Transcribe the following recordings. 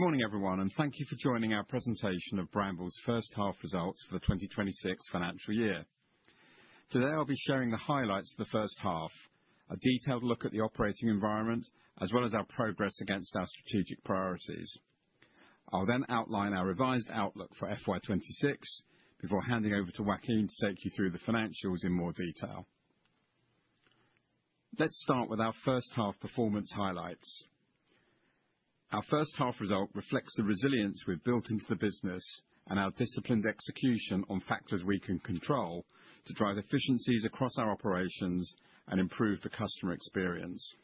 Good morning, everyone, and thank you for joining our presentation of Brambles' first half results for the 2026 financial year. Today, I'll be sharing the highlights of the first half, a detailed look at the operating environment, as well as our progress against our strategic priorities. I'll then outline our revised outlook for FY 2026 before handing over to Joaquin to take you through the financials in more detail. Let's start with our first half performance highlights. Our first half result reflects the resilience we've built into the business and our disciplined execution on factors we can control to drive efficiencies across our operations and improve the customer experience.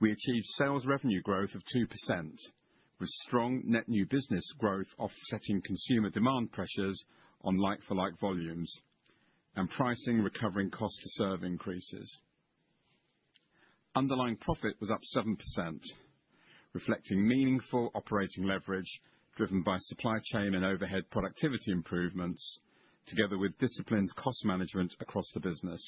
We achieved sales revenue growth of 2%, net new business growth offsetting consumer demand pressures on like-for-like volumes and pricing recovering cost to serve increases. Underlying profit was up 7%, reflecting meaningful operating leverage, driven by supply chain and overhead productivity improvements, together with disciplined cost management across the business.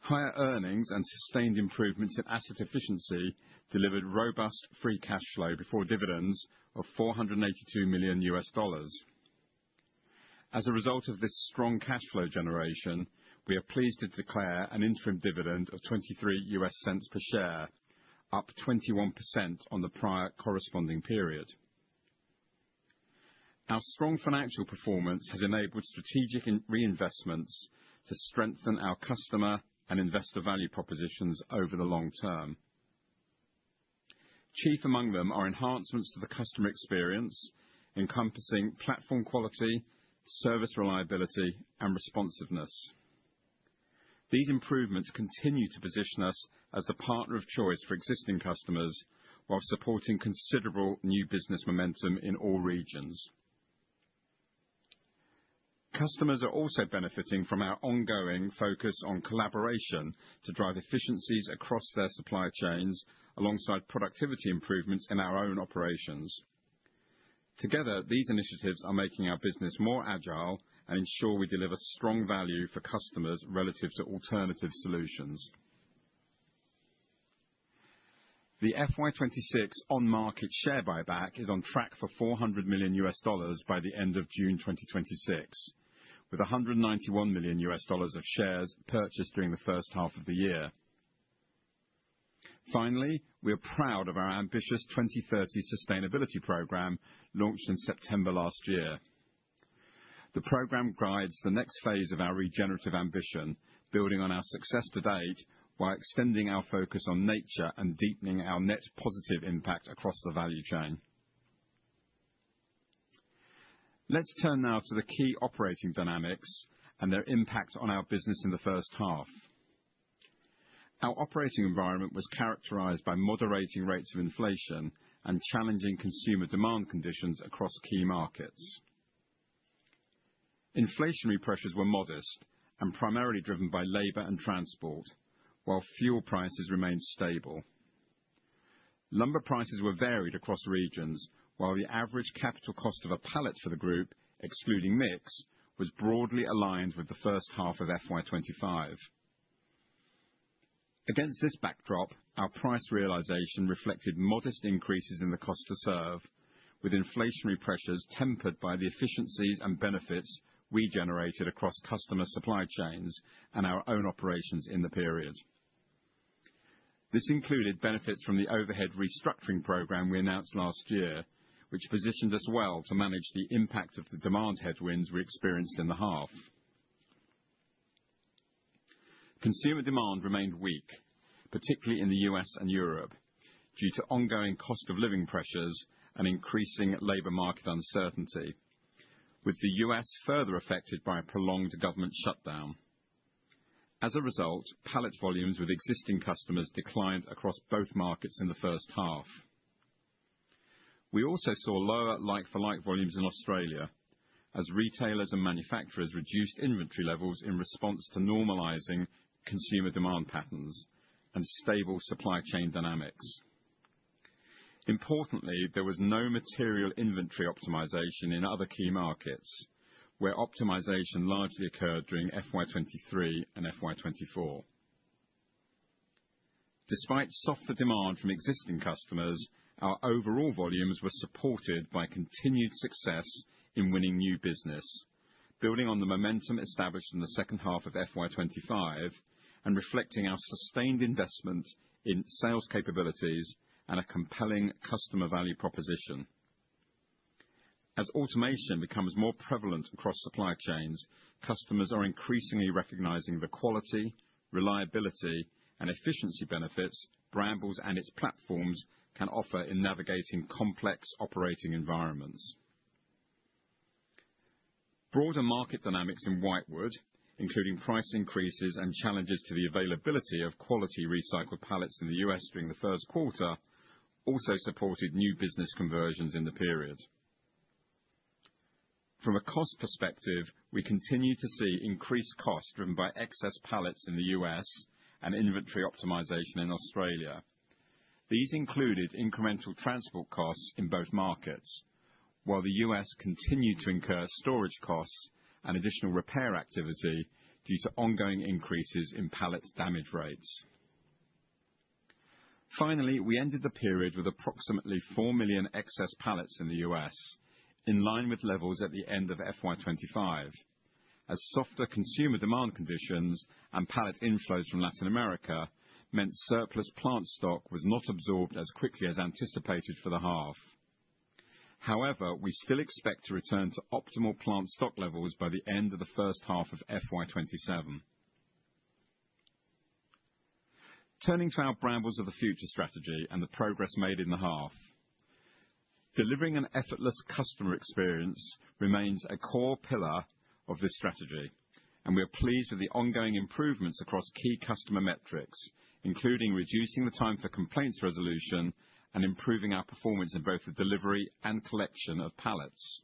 Higher earnings and sustained improvements in asset efficiency delivered robust free cash flow before dividends of $482 million. As a result of this strong cash flow generation, we are pleased to declare an interim dividend of $0.23 per share, up 21% on the prior corresponding period. Our strong financial performance has enabled strategic reinvestments to strengthen our customer and investor value propositions over the long term. Chief among them are enhancements to the customer experience, encompassing platform quality, service reliability, and responsiveness. These improvements continue to position us as the partner of choice for existing customers, while supporting considerable new business momentum in all regions. Customers are also benefiting from our ongoing focus on collaboration to drive efficiencies across their supply chains, alongside productivity improvements in our own operations. Together, these initiatives are making our business more agile and ensure we deliver strong value for customers relative to alternative solutions. The FY 2026 on-market share buyback is on track for $400 million by the end of June 2026, with $191 million of shares purchased during the first half of the year. Finally, we are proud of our ambitious 2030 sustainability program, launched in September last year. The program guides the next phase of our regenerative ambition, building on our success to date, while extending our focus on nature and deepening our net positive impact across the value chain. Let's turn now to the key operating dynamics and their impact on our business in the first half. Our operating environment was characterized by moderating rates of inflation and challenging consumer demand conditions across key markets. Inflationary pressures were modest and primarily driven by labor and transport, while fuel prices remained stable. Lumber prices were varied across regions, while the average capital cost of a pallet for the group, excluding mix, was broadly aligned with the first half of FY 2025. Against this backdrop, our price realization reflected modest increases in the cost to serve, with inflationary pressures tempered by the efficiencies and benefits we generated across customer supply chains and our own operations in the period. This included benefits from the overhead restructuring program we announced last year, which positioned us well to manage the impact of the demand headwinds we experienced in the half. Consumer demand remained weak, particularly in the U.S. and Europe, due to ongoing cost of living pressures and increasing labor market uncertainty, with the U.S. further affected by a prolonged government shutdown. As a result, pallet volumes with existing customers declined across both markets in the first half. We also saw lower like-for-like volumes in Australia as retailers and manufacturers reduced inventory levels in response to normalizing consumer demand patterns and stable supply chain dynamics. Importantly, there was no material inventory optimization in other key markets, where optimization largely occurred during FY 2023 and FY 2024. Despite softer demand from existing customers, our overall volumes were supported by continued success in winning new business, building on the momentum established in the second half of FY 2025 and reflecting our sustained investment in sales capabilities and a compelling customer value proposition. As automation becomes more prevalent across supply chains, customers are increasingly recognizing the quality, reliability, and efficiency benefits Brambles and its platforms can offer in navigating complex operating environments. Broader market dynamics in whitewood, including price increases and challenges to the availability of quality recycled pallets in the U.S. during the first quarter, also supported new business conversions in the period. From a cost perspective, we continue to see increased costs driven by excess pallets in the U.S. and inventory optimization in Australia. These included incremental transport costs in both markets, while the U.S. continued to incur storage costs and additional repair activity due to ongoing increases in pallet damage rates. Finally, we ended the period with approximately 4 million excess pallets in the U.S., in line with levels at the end of FY 2025, as softer consumer demand conditions and pallet inflows from Latin America meant surplus plant stock was not absorbed as quickly as anticipated for the half. However, we still expect to return to optimal plant stock levels by the end of the first half of FY 2027. Turning to our Brambles of the Future strategy and the progress made in the half. Delivering an effortless customer experience remains a core pillar of this strategy, and we are pleased with the ongoing improvements across key customer metrics, including reducing the time for complaints resolution and improving our performance in both the delivery and collection of pallets.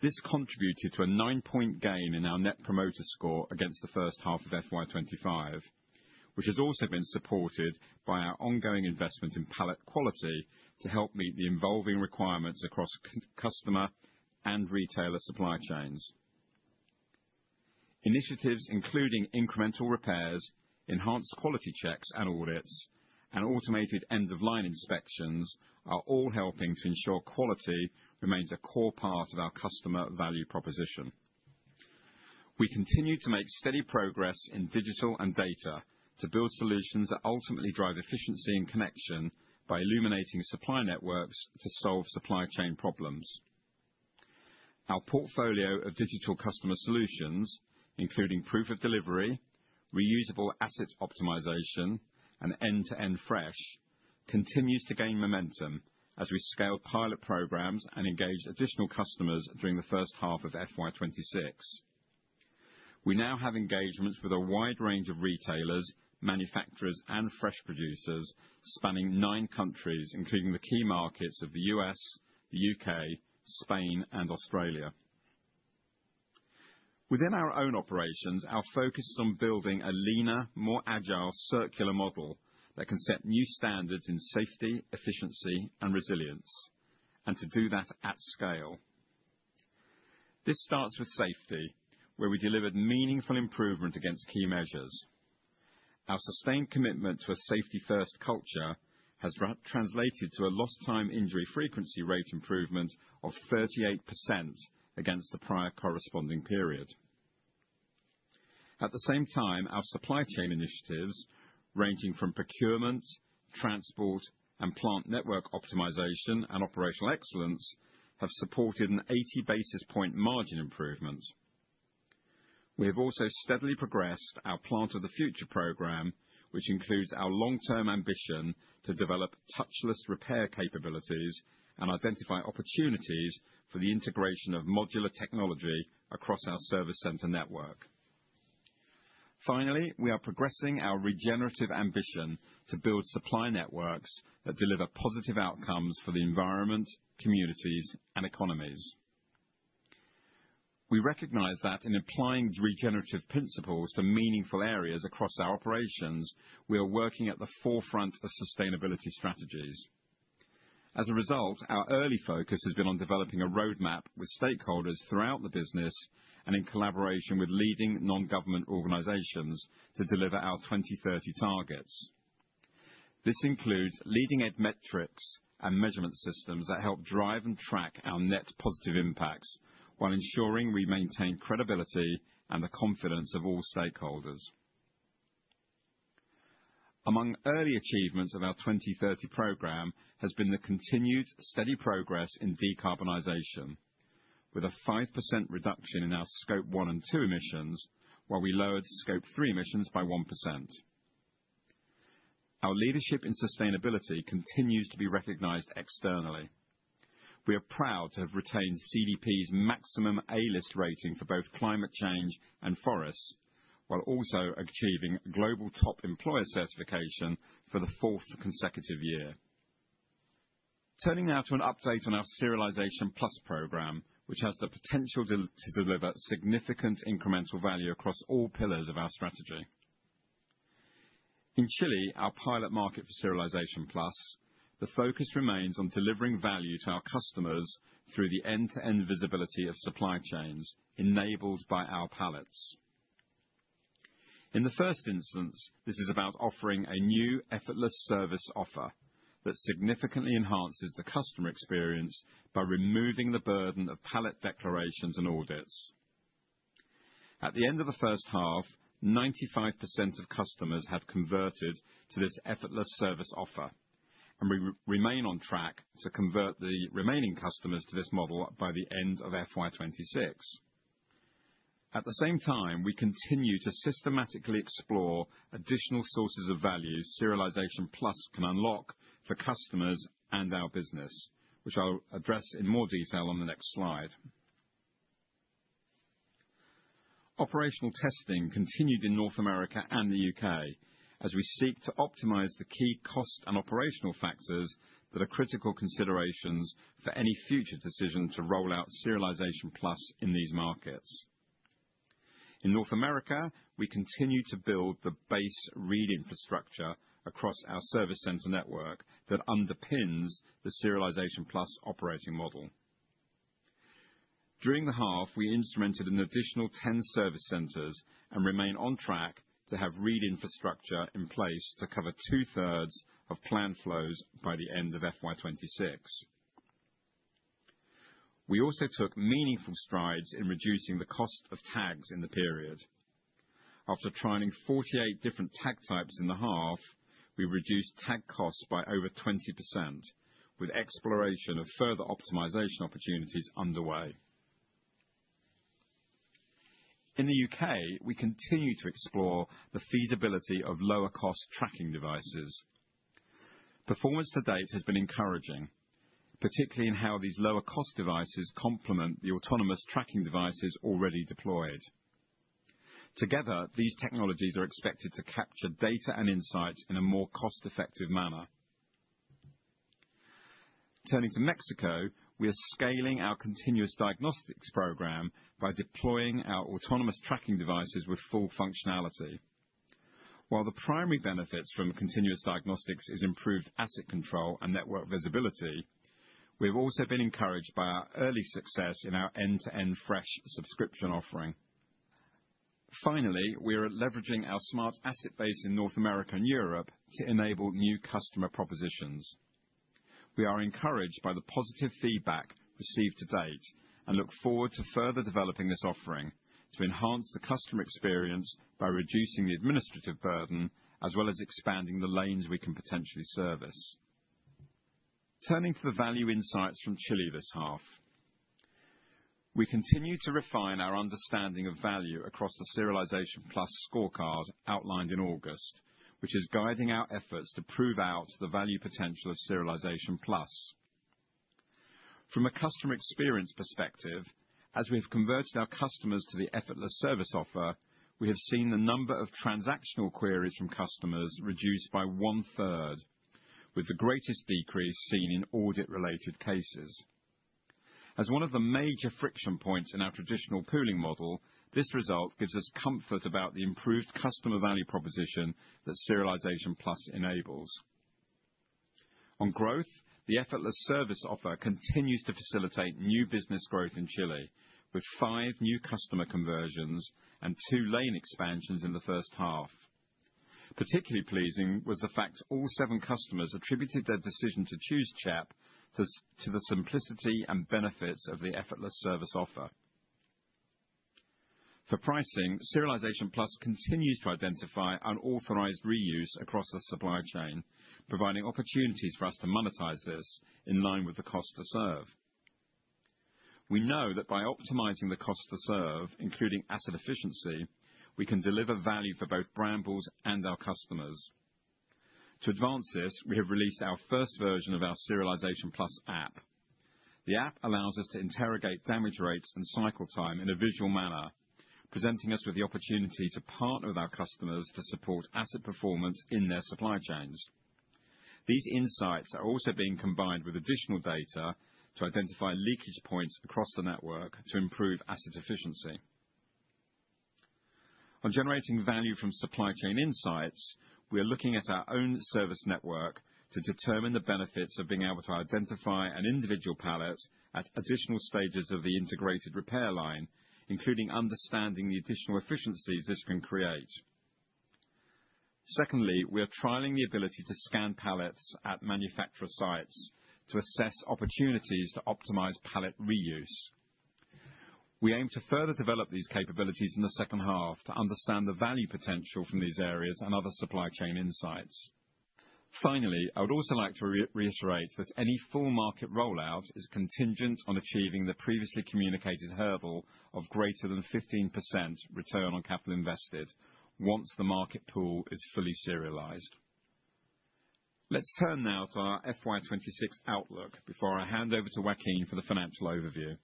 This contributed to a 9-point gain in our Net Promoter Score against the first half of FY 2025, which has also been supported by our ongoing investment in pallet quality to help meet the evolving requirements across customer and retailer supply chains. Initiatives including incremental repairs, enhanced quality checks and audits, and automated end-of-line inspections, are all helping to ensure quality remains a core part of our customer value proposition. We continue to make steady progress in digital and data to build solutions that ultimately drive efficiency and connection by illuminating supply networks to solve supply chain problems. Our portfolio of digital customer solutions, including proof of delivery, reusable asset optimization, and end-to-end fresh, continues to gain momentum as we scale pilot programs and engage additional customers during the first half of FY 2026. We now have engagements with a wide range of retailers, manufacturers, and fresh producers spanning nine countries, including the key markets of the U.S., the U.K., Spain, and Australia. Within our own operations, our focus is on building a leaner, more agile, circular model that can set new standards in safety, efficiency, and resilience, and to do that at scale. This starts with safety, where we delivered meaningful improvement against key measures. Our sustained commitment to a safety-first culture has translated to a lost time injury frequency rate improvement of 38% against the prior corresponding period. At the same time, our supply chain initiatives, ranging from procurement, transport, and plant network optimization and operational excellence, have supported an 80 basis point margin improvement. We have also steadily progressed our Plant of the Future program, which includes our long-term ambition to develop touchless repair capabilities and identify opportunities for the integration of modular technology across our service center network. Finally, we are progressing our regenerative ambition to build supply networks that deliver positive outcomes for the environment, communities, and economies. We recognize that in applying regenerative principles to meaningful areas across our operations, we are working at the forefront of sustainability strategies. As a result, our early focus has been on developing a roadmap with stakeholders throughout the business and in collaboration with leading non-government organizations to deliver our 2030 targets. This includes leading edge metrics and measurement systems that help drive and track our net positive impacts, while ensuring we maintain credibility and the confidence of all stakeholders. Among early achievements of our 2030 program has been the continued steady progress in decarbonization, with a 5% reduction in our Scope 1 and 2 emissions, while we lowered Scope 3 emissions by 1%. Our leadership in sustainability continues to be recognized externally. We are proud to have retained CDP's maximum A List rating for both climate change and forests, while also achieving global top employer certification for the fourth consecutive year. Turning now to an update on our Serialisation Plus program, which has the potential to deliver significant incremental value across all pillars of our strategy. In Chile, our pilot market for Serialisation Plus, the focus remains on delivering value to our customers through the end-to-end visibility of supply chains enabled by our pallets. In the first instance, this is about offering a new Effortless Service Offer that significantly enhances the customer experience by removing the burden of pallet declarations and audits. At the end of the first half, 95% of customers have converted to this Effortless Service Offer, and we remain on track to convert the remaining customers to this model by the end of FY 2026. At the same time, we continue to systematically explore additional sources of value Serialisation Plus can unlock for customers and our business, which I'll address in more detail on the next slide. Operational testing continued in North America and the U.K. as we seek to optimize the key cost and operational factors that are critical considerations for any future decision to roll out Serialisation Plus in these markets. In North America, we continue to build the base read infrastructure across our service center network that underpins the Serialisation Plus operating model. During the half, we instrumented an additional 10 service centers and remain on track to have read infrastructure in place to cover two-thirds of planned flows by the end of FY 2026. We also took meaningful strides in reducing the cost of tags in the period. After trialing 48 different tag types in the half, we reduced tag costs by over 20%, with exploration of further optimization opportunities underway. In the U.K., we continue to explore the feasibility of lower cost tracking devices. Performance to date has been encouraging, particularly in how these lower cost devices complement the autonomous tracking devices already deployed. Together, these technologies are expected to capture data and insights in a more cost-effective manner. Turning to Mexico, we are scaling our continuous diagnostics program by deploying our autonomous tracking devices with full functionality. While the primary benefits from continuous diagnostics is improved asset control and network visibility, we've also been encouraged by our early success in our end-to-end fresh subscription offering. Finally, we are leveraging our smart asset base in North America and Europe to enable new customer propositions. We are encouraged by the positive feedback received to date, and look forward to further developing this offering to enhance the customer experience by reducing the administrative burden, as well as expanding the lanes we can potentially service. Turning to the value insights from Chile this half. We continue to refine our understanding of value across the Serialisation Plus scorecard outlined in August, which is guiding our efforts to prove out the value potential of Serialisation Plus. From a customer experience perspective, as we have converted our customers to the Effortless Service Offer, we have seen the number of transactional queries from customers reduced by one third, with the greatest decrease seen in audit-related cases. As one of the major friction points in our traditional pooling model, this result gives us comfort about the improved customer value proposition that Serialisation Plus enables. On growth, the Effortless Service Offer continues to facilitate new business growth in Chile, with five new customer conversions and two lane expansions in the first half. Particularly pleasing was the fact all seven customers attributed their decision to choose CHEP to the simplicity and benefits of the Effortless Service Offer. For pricing, Serialisation Plus continues to identify unauthorized reuse across the supply chain, providing opportunities for us to monetize this in line with the cost to serve. We know that by optimizing the cost to serve, including asset efficiency, we can deliver value for both Brambles and our customers. To advance this, we have released our first version of our Serialisation Plus app. The app allows us to interrogate damage rates and cycle time in a visual manner, presenting us with the opportunity to partner with our customers to support asset performance in their supply chains. These insights are also being combined with additional data to identify leakage points across the network to improve asset efficiency. On generating value from supply chain insights, we are looking at our own service network to determine the benefits of being able to identify an individual pallet at additional stages of the integrated repair line, including understanding the additional efficiencies this can create. Secondly, we are trialing the ability to scan pallets at manufacturer sites to assess opportunities to optimize pallet reuse. We aim to further develop these capabilities in the second half to understand the value potential from these areas and other supply chain insights. Finally, I would also like to reiterate that any full market rollout is contingent on achieving the previously communicated hurdle of greater than 15% return on capital invested once the market pool is fully serialized. Let's turn now to our FY 2026 outlook before I hand over to Joaquin for the financial overview.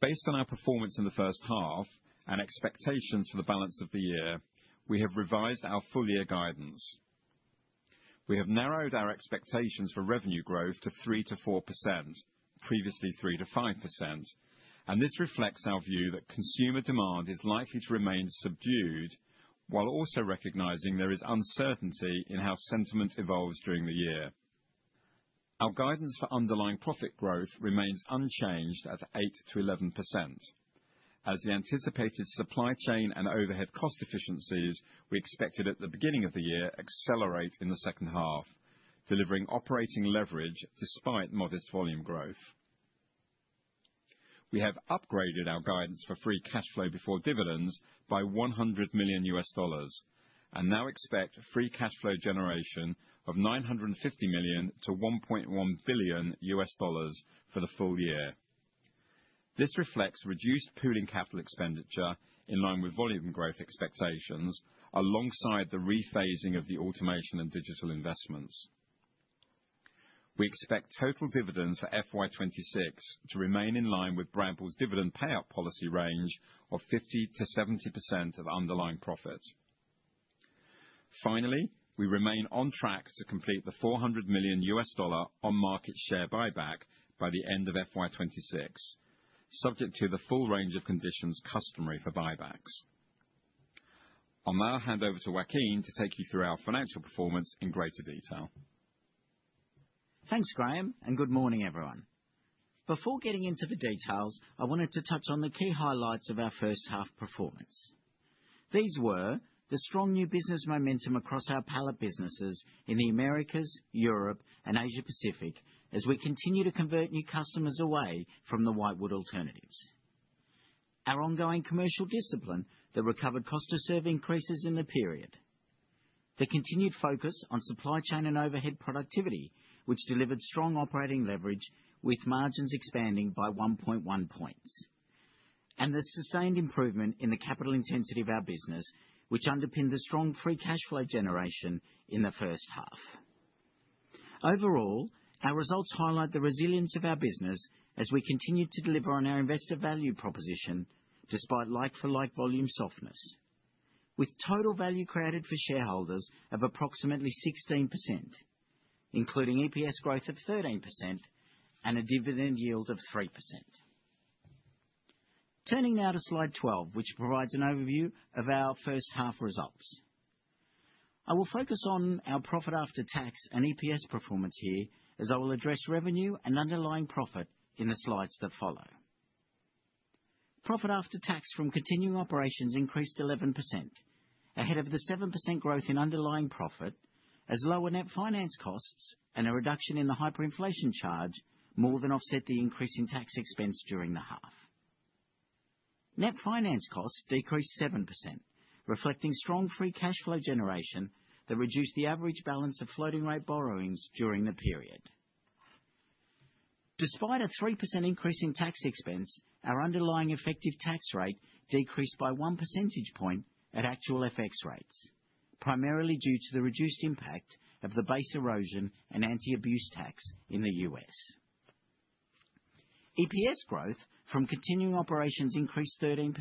Based on our performance in the first half and expectations for the balance of the year, we have revised our full year guidance. We have narrowed our expectations for revenue growth to 3%-4%, previously 3%-5%, and this reflects our view that consumer demand is likely to remain subdued, while also recognizing there is uncertainty in how sentiment evolves during the year. Our guidance for underlying profit growth remains unchanged at 8%-11%, as the anticipated supply chain and overhead cost efficiencies we expected at the beginning of the year accelerate in the second half, delivering operating leverage despite modest volume growth. We have upgraded our guidance for free cash flow before dividends by $100 million, and now expect free cash flow generation of $950 million-$1.1 billion for the full year. This reflects reduced pooling capital expenditure in line with volume growth expectations, alongside the rephasing of the automation and digital investments. We expect total dividends for FY 2026 to remain in line with Brambles' dividend payout policy range of 50%-70% of underlying profit. Finally, we remain on track to complete the $400 million on-market share buyback by the end of FY 2026, subject to the full range of conditions customary for buybacks. I'll now hand over to Joaquin to take you through our financial performance in greater detail. Thanks, Graham, and good morning, everyone. Before getting into the details, I wanted to touch on the key highlights of our first half performance. These were the strong new business momentum across our pallet businesses in the Americas, Europe and Asia Pacific as we continue to convert new customers away from the whitewood alternatives. Our ongoing commercial discipline that recovered cost to serve increases in the period. The continued focus on supply chain and overhead productivity, which delivered strong operating leverage, with margins expanding by 1.1 points. And the sustained improvement in the capital intensity of our business, which underpinned the strong free cash flow generation in the first half. Overall, our results highlight the resilience of our business as we continue to deliver on our investor value proposition, despite like-for-like volume softness, with total value created for shareholders of approximately 16%, including EPS growth of 13% and a dividend yield of 3%. Turning now to slide 12, which provides an overview of our first half results. I will focus on our profit after tax and EPS performance here, as I will address revenue and underlying profit in the slides that follow. Profit after tax from continuing operations increased 11%, ahead of the 7% growth in underlying profit, as lower net finance costs and a reduction in the hyperinflation charge more than offset the increase in tax expense during the half. Net finance costs decreased 7%, reflecting strong free cash flow generation that reduced the average balance of floating rate borrowings during the period. Despite a 3% increase in tax expense, our underlying effective tax rate decreased by 1 percentage point at actual FX rates, primarily due to the reduced impact of the Base Erosion and Anti-Abuse Tax in the U.S. EPS growth from continuing operations increased 13%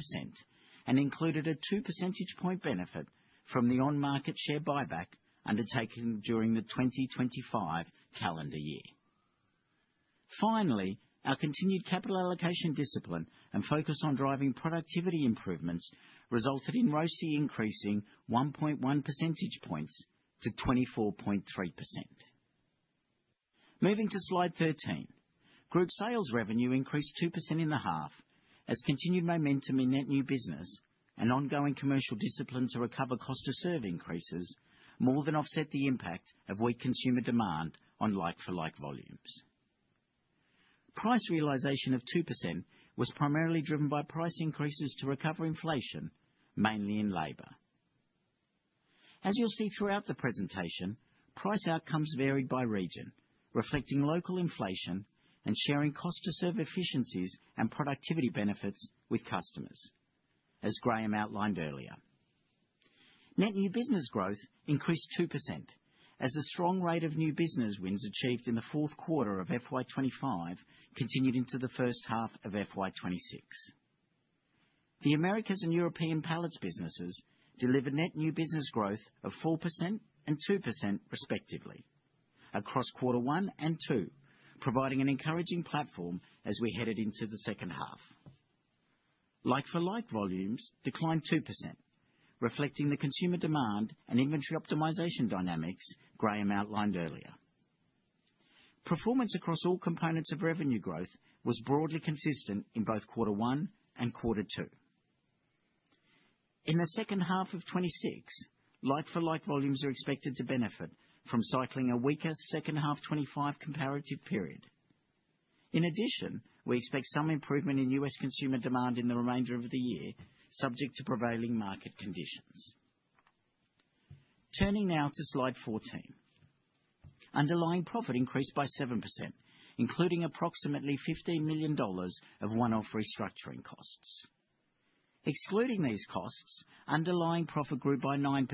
and included a 2 percentage point benefit from the on-market share buyback undertaken during the 2025 calendar year. Finally, our continued capital allocation discipline and focus on driving productivity improvements resulted in ROCE increasing 1.1 percentage points to 24.3%. Moving to slide 13. Group sales revenue increased 2% in the half as continued net new business and ongoing commercial discipline to recover cost to serve increases more than offset the impact of weak consumer demand on like-for-like volumes. Price realization of 2% was primarily driven by price increases to recover inflation, mainly in labor. As you'll see throughout the presentation, price outcomes varied by region, reflecting local inflation and sharing cost to serve efficiencies and productivity benefits with customers, as Graham outlined earlier. net new business growth increased 2%, as the strong rate of new business wins achieved in the fourth quarter of FY 2025 continued into the first half of FY 2026. The Americas and European Pallets net new business growth of 4% and 2% respectively across quarter one and two, providing an encouraging platform as we headed into the second half. Like-for-like volumes declined 2%, reflecting the consumer demand and inventory optimization dynamics Graham outlined earlier. Performance across all components of revenue growth was broadly consistent in both quarter one and quarter two. In the second half of 2026, like-for-like volumes are expected to benefit from cycling a weaker second half 2025 comparative period. In addition, we expect some improvement in U.S. consumer demand in the remainder of the year, subject to prevailing market conditions. Turning now to slide 14. Underlying profit increased by 7%, including approximately $15 million of one-off restructuring costs. Excluding these costs, underlying profit grew by 9%,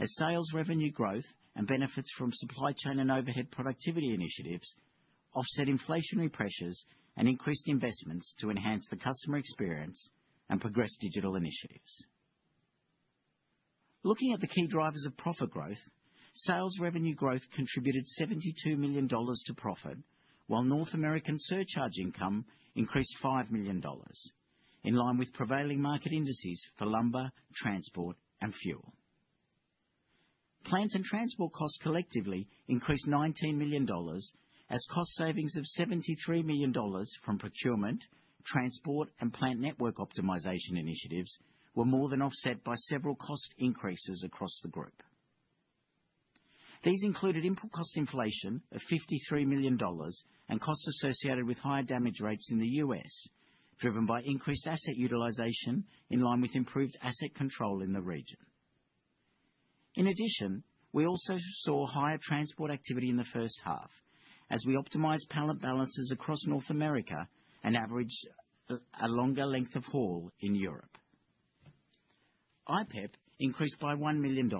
as sales revenue growth and benefits from supply chain and overhead productivity initiatives offset inflationary pressures and increased investments to enhance the customer experience and progress digital initiatives. Looking at the key drivers of profit growth, sales revenue growth contributed $72 million to profit, while North American surcharge income increased $5 million, in line with prevailing market indices for lumber, transport and fuel. Plant and transport costs collectively increased $19 million, as cost savings of $73 million from procurement, transport and plant network optimization initiatives were more than offset by several cost increases across the group. These included input cost inflation of $53 million and costs associated with higher damage rates in the U.S., driven by increased asset utilization in line with improved asset control in the region. In addition, we also saw higher transport activity in the first half as we optimized pallet balances across North America and averaged a longer length of haul in Europe. IPEP increased by $1 million,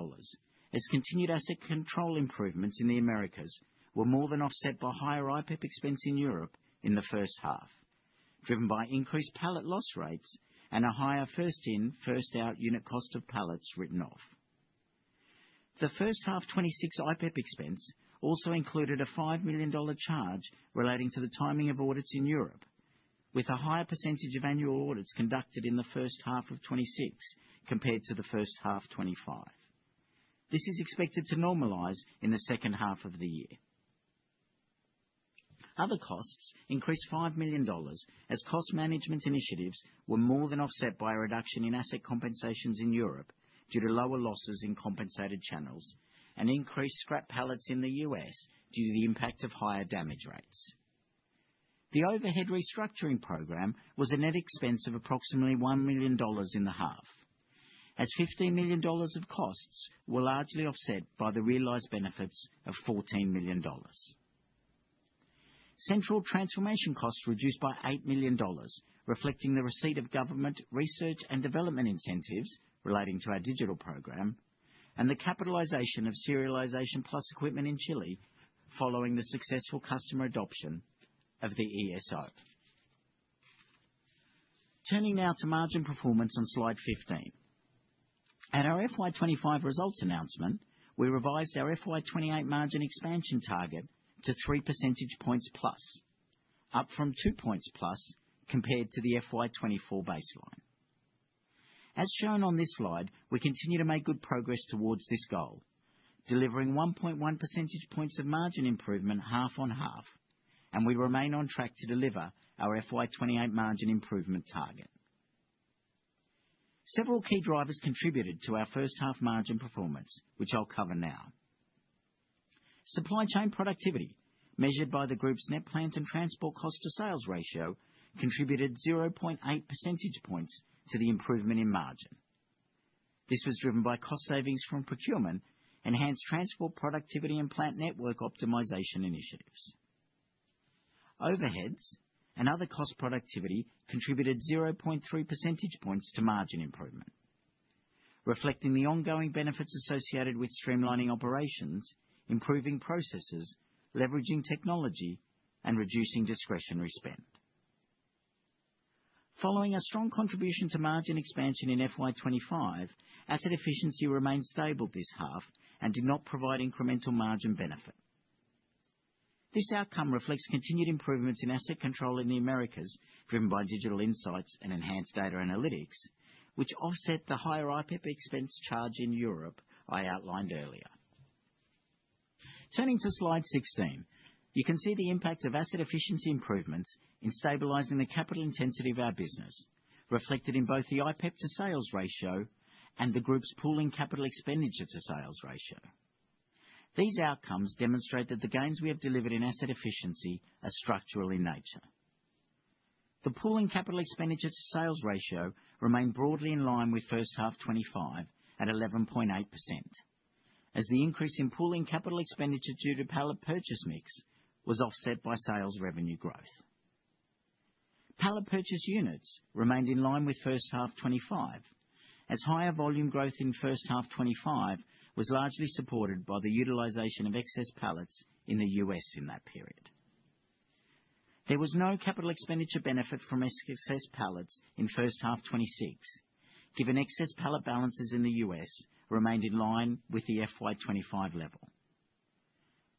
as continued asset control improvements in the Americas were more than offset by higher IPEP expense in Europe in the first half, driven by increased pallet loss rates and a higher first-in, first-out unit cost of pallets written off. The first half 2026 IPEP expense also included a $5 million charge relating to the timing of audits in Europe, with a higher percentage of annual audits conducted in the first half of 2026 compared to the first half 2025. This is expected to normalize in the second half of the year. Other costs increased $5 million, as cost management initiatives were more than offset by a reduction in asset compensations in Europe due to lower losses in compensated channels and increased scrap pallets in the U.S. due to the impact of higher damage rates. The overhead restructuring program was a net expense of approximately $1 million in the half, as $15 million of costs were largely offset by the realized benefits of $14 million. Central transformation costs reduced by $8 million, reflecting the receipt of government research and development incentives relating to our digital program and the capitalization of Serialisation Plus equipment in Chile, following the successful customer adoption of the ESO. Turning now to margin performance on slide 15. At our FY 2025 results announcement, we revised our FY 2028 margin expansion target to 3 percentage points+, up from 2 points+ compared to the FY 2024 baseline. As shown on this slide, we continue to make good progress towards this goal, delivering 1.1 percentage points of margin improvement half on half, and we remain on track to deliver our FY 2028 margin improvement target. Several key drivers contributed to our first half margin performance, which I'll cover now. Supply chain productivity, measured by the group's net plant and transport cost to sales ratio, contributed 0.8 percentage points to the improvement in margin. This was driven by cost savings from procurement, enhanced transport productivity and plant network optimization initiatives. Overheads and other cost productivity contributed 0.3 percentage points to margin improvement, reflecting the ongoing benefits associated with streamlining operations, improving processes, leveraging technology, and reducing discretionary spend. Following a strong contribution to margin expansion in FY 2025, asset efficiency remained stable this half and did not provide incremental margin benefit. This outcome reflects continued improvements in asset control in the Americas, driven by digital insights and enhanced data analytics, which offset the higher IPEP expense charge in Europe I outlined earlier. Turning to slide 16, you can see the impact of asset efficiency improvements in stabilizing the capital intensity of our business, reflected in both the IPEP to sales ratio and the group's pooling capital expenditure to sales ratio. These outcomes demonstrate that the gains we have delivered in asset efficiency are structural in nature. The pooling capital expenditure to sales ratio remained broadly in line with first half 2025 at 11.8%, as the increase in pooling capital expenditure due to pallet purchase mix was offset by sales revenue growth. Pallet purchase units remained in line with first half 2025, as higher volume growth in first half 2025 was largely supported by the utilization of excess pallets in the U.S. in that period. There was no capital expenditure benefit from excess pallets in first half 2026, given excess pallet balances in the U.S. remained in line with the FY 2025 level.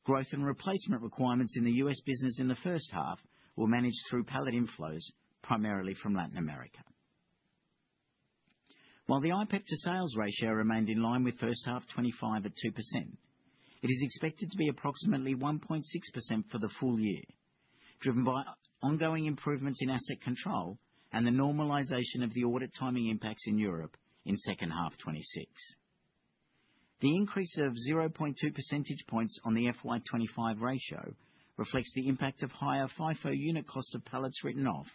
Growth and replacement requirements in the U.S. business in the first half were managed through pallet inflows, primarily from Latin America. While the IPEP to sales ratio remained in line with first half 2025 at 2%, it is expected to be approximately 1.6% for the full year, driven by ongoing improvements in asset control and the normalization of the audit timing impacts in Europe in second half 2026. The increase of 0.2 percentage points on the FY 2025 ratio reflects the impact of higher FIFO unit cost of pallets written off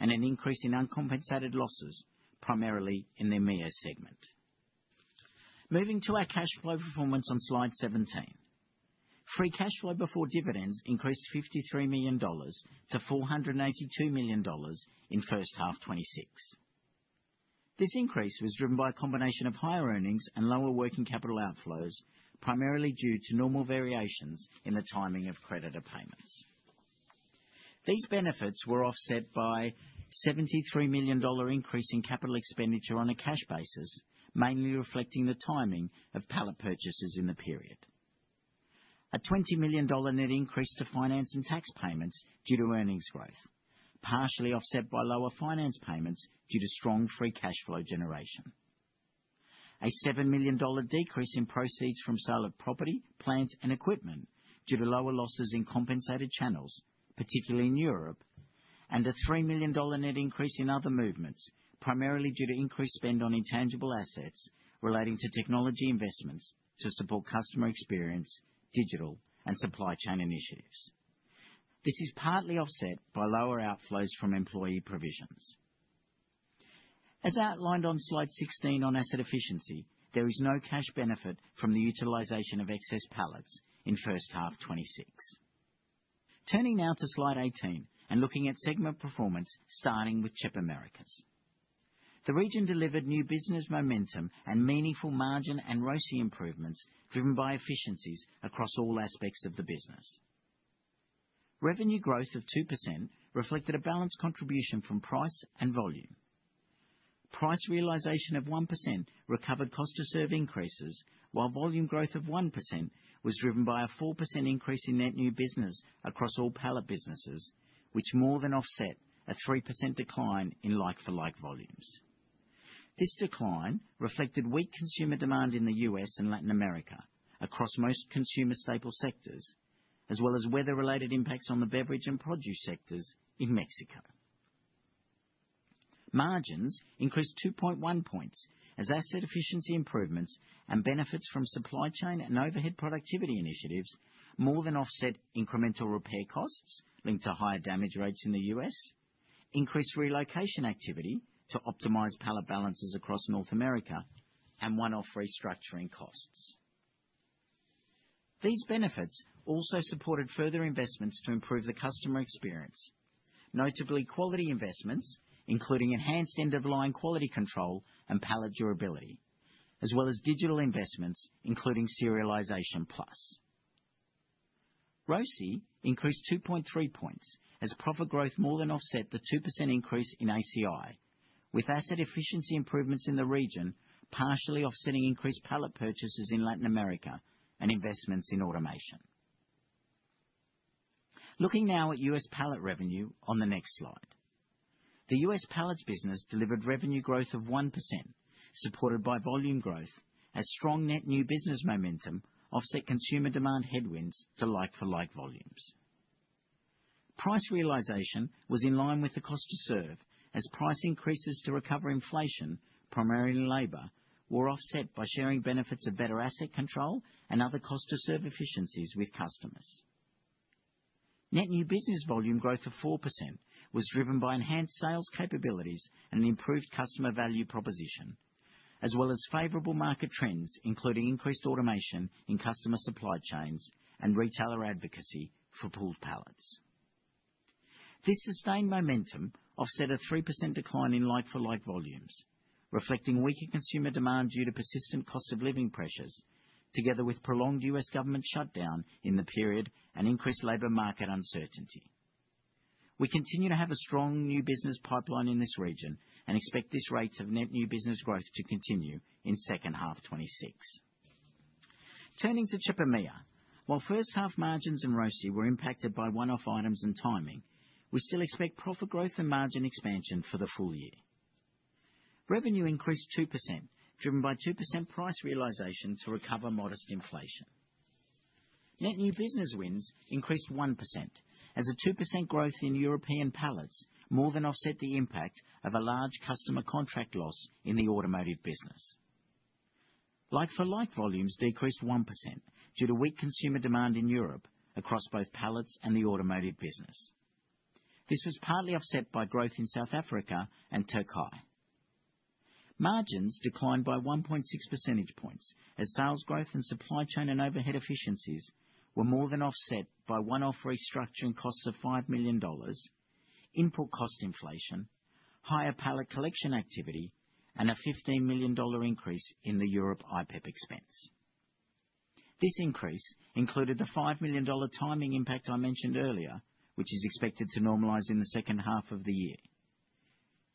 and an increase in uncompensated losses, primarily in the EMEA region. Moving to our cash flow performance on slide 17. Free cash flow before dividends increased $53 million-$482 million in first half 2026. This increase was driven by a combination of higher earnings and lower working capital outflows, primarily due to normal variations in the timing of creditor payments. These benefits were offset by $73 million increase in capital expenditure on a cash basis, mainly reflecting the timing of pallet purchases in the period. A $20 million net increase to finance and tax payments due to earnings growth, partially offset by lower finance payments due to strong free cash flow generation. A $7 million decrease in proceeds from sale of property, plant, and equipment due to lower losses in compensated channels, particularly in Europe. A $3 million net increase in other movements, primarily due to increased spend on intangible assets relating to technology investments to support customer experience, digital, and supply chain initiatives. This is partly offset by lower outflows from employee provisions. As outlined on slide 16 on asset efficiency, there is no cash benefit from the utilization of excess pallets in first half 2026. Turning now to slide 18 and looking at segment performance, starting with CHEP Americas. The region delivered new business momentum and meaningful margin and ROCE improvements, driven by efficiencies across all aspects of the business. Revenue growth of 2% reflected a balanced contribution from price and volume. Price realization of 1% recovered cost to serve increases, while volume growth of 1% was driven by a 4% net new business across all pallet businesses, which more than offset a 3% decline in like-for-like volumes. This decline reflected weak consumer demand in the U.S. and Latin America across most consumer staple sectors, as well as weather-related impacts on the beverage and produce sectors in Mexico. Margins increased 2.1 points as asset efficiency improvements and benefits from supply chain and overhead productivity initiatives more than offset incremental repair costs linked to higher damage rates in the U.S., increased relocation activity to optimize pallet balances across North America, and one-off restructuring costs. These benefits also supported further investments to improve the customer experience, notably quality investments, including enhanced end-of-line quality control and pallet durability, as well as digital investments, including Serialisation Plus. ROCE increased 2.3 points as profit growth more than offset the 2% increase in ACI, with asset efficiency improvements in the region, partially offsetting increased pallet purchases in Latin America and investments in automation. Looking now at U.S. pallet revenue on the next slide. The U.S. pallets business delivered revenue growth of 1%, supported by volume growth net new business momentum offset consumer demand headwinds to like-for-like volumes. Price realization was in line with the cost to serve, as price increases to recover inflation, primarily labor, were offset by sharing benefits of better asset control and other cost to serve efficiencies with customers. net new business volume growth of 4% was driven by enhanced sales capabilities and an improved customer value proposition, as well as favorable market trends, including increased automation in customer supply chains and retailer advocacy for pooled pallets. This sustained momentum offset a 3% decline in like-for-like volumes, reflecting weaker consumer demand due to persistent cost of living pressures, together with prolonged U.S. government shutdown in the period and increased labor market uncertainty. We continue to have a strong new business pipeline in this region and expect this net new business growth to continue in second half 2026. Turning to CHEP EMEA, while first half margins and ROCE were impacted by one-off items and timing, we still expect profit growth and margin expansion for the full year. Revenue increased 2%, driven by 2% price realization to recover modest inflation. net new business wins increased 1% as a 2% growth in European pallets more than offset the impact of a large customer contract loss in the automotive business. Like-for-like volumes decreased 1% due to weak consumer demand in Europe across both pallets and the automotive business. This was partly offset by growth in South Africa and Turkey. Margins declined by 1.6 percentage points as sales growth and supply chain and overhead efficiencies were more than offset by one-off restructuring costs of $5 million, input cost inflation, higher pallet collection activity, and a $15 million increase in the Europe IPEP expense. This increase included the $5 million timing impact I mentioned earlier, which is expected to normalize in the second half of the year.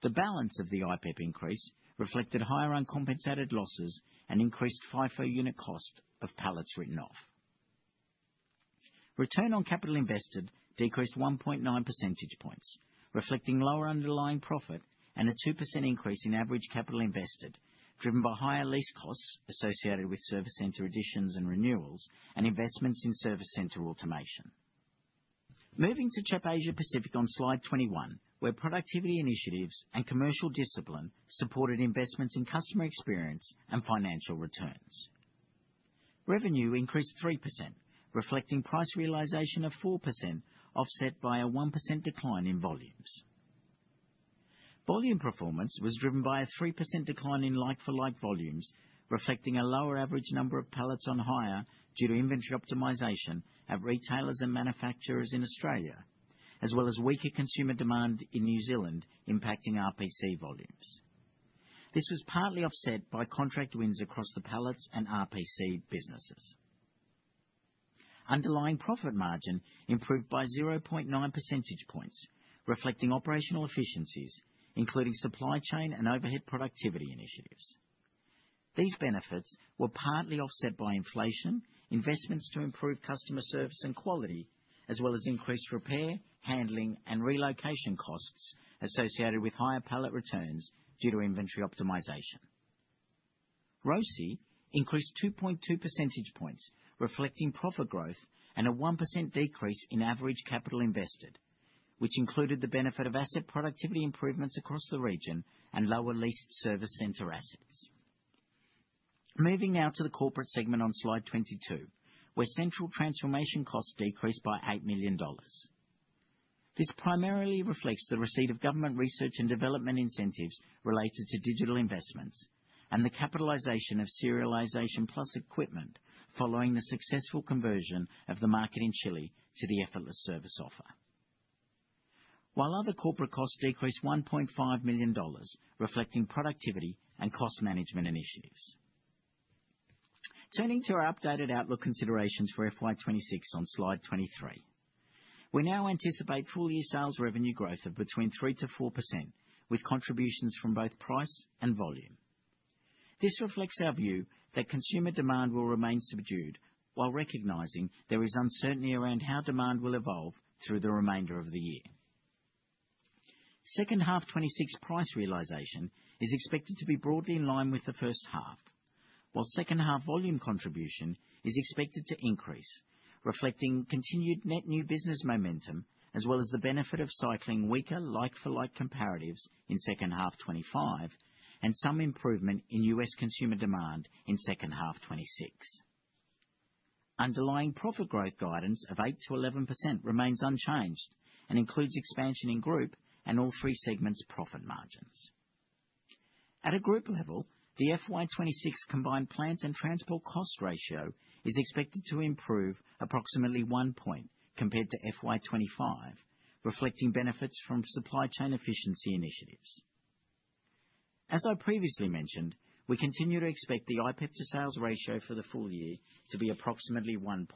The balance of the IPEP increase reflected higher uncompensated losses and increased FIFO unit cost of pallets written off. Return on capital invested decreased 1.9 percentage points, reflecting lower underlying profit and a 2% increase in average capital invested, driven by higher lease costs associated with service center additions and renewals and investments in service center automation. Moving to CHEP Asia Pacific on slide 21, where productivity initiatives and commercial discipline supported investments in customer experience and financial returns. Revenue increased 3%, reflecting price realization of 4%, offset by a 1% decline in volumes. Volume performance was driven by a 3% decline in like-for-like volumes, reflecting a lower average number of pallets on hire due to inventory optimization at retailers and manufacturers in Australia, as well as weaker consumer demand in New Zealand impacting RPC volumes. This was partly offset by contract wins across the pallets and RPC businesses. Underlying profit margin improved by 0.9 percentage points, reflecting operational efficiencies, including supply chain and overhead productivity initiatives. These benefits were partly offset by inflation, investments to improve customer service and quality, as well as increased repair, handling, and relocation costs associated with higher pallet returns due to inventory optimization. ROCE increased 2.2 percentage points, reflecting profit growth and a 1% decrease in average capital invested, which included the benefit of asset productivity improvements across the region and lower leased service center assets. Moving now to the corporate segment on slide 22, where central transformation costs decreased by $8 million. This primarily reflects the receipt of government research and development incentives related to digital investments and the capitalization of Serialisation Plus equipment following the successful conversion of the market in Chile to the Effortless Service Offer. While other corporate costs decreased $1.5 million, reflecting productivity and cost management initiatives. Turning to our updated outlook considerations for FY 2026 on slide 23. We now anticipate full year sales revenue growth of between 3%-4%, with contributions from both price and volume. This reflects our view that consumer demand will remain subdued, while recognizing there is uncertainty around how demand will evolve through the remainder of the year. Second half 2026 price realization is expected to be broadly in line with the first half, while second half volume contribution is expected to increase, net new business momentum, as well as the benefit of cycling weaker like-for-like comparatives in second half 2025, and some improvement in U.S. consumer demand in second half 2026. Underlying profit growth guidance of 8%-11% remains unchanged and includes expansion in group and all three segments' profit margins. At a group level, the FY 2026 combined plant and transport cost ratio is expected to improve approximately 1 point compared to FY 2025, reflecting benefits from supply chain efficiency initiatives. As I previously mentioned, we continue to expect the IPEP to sales ratio for the full year to be approximately 1.6%.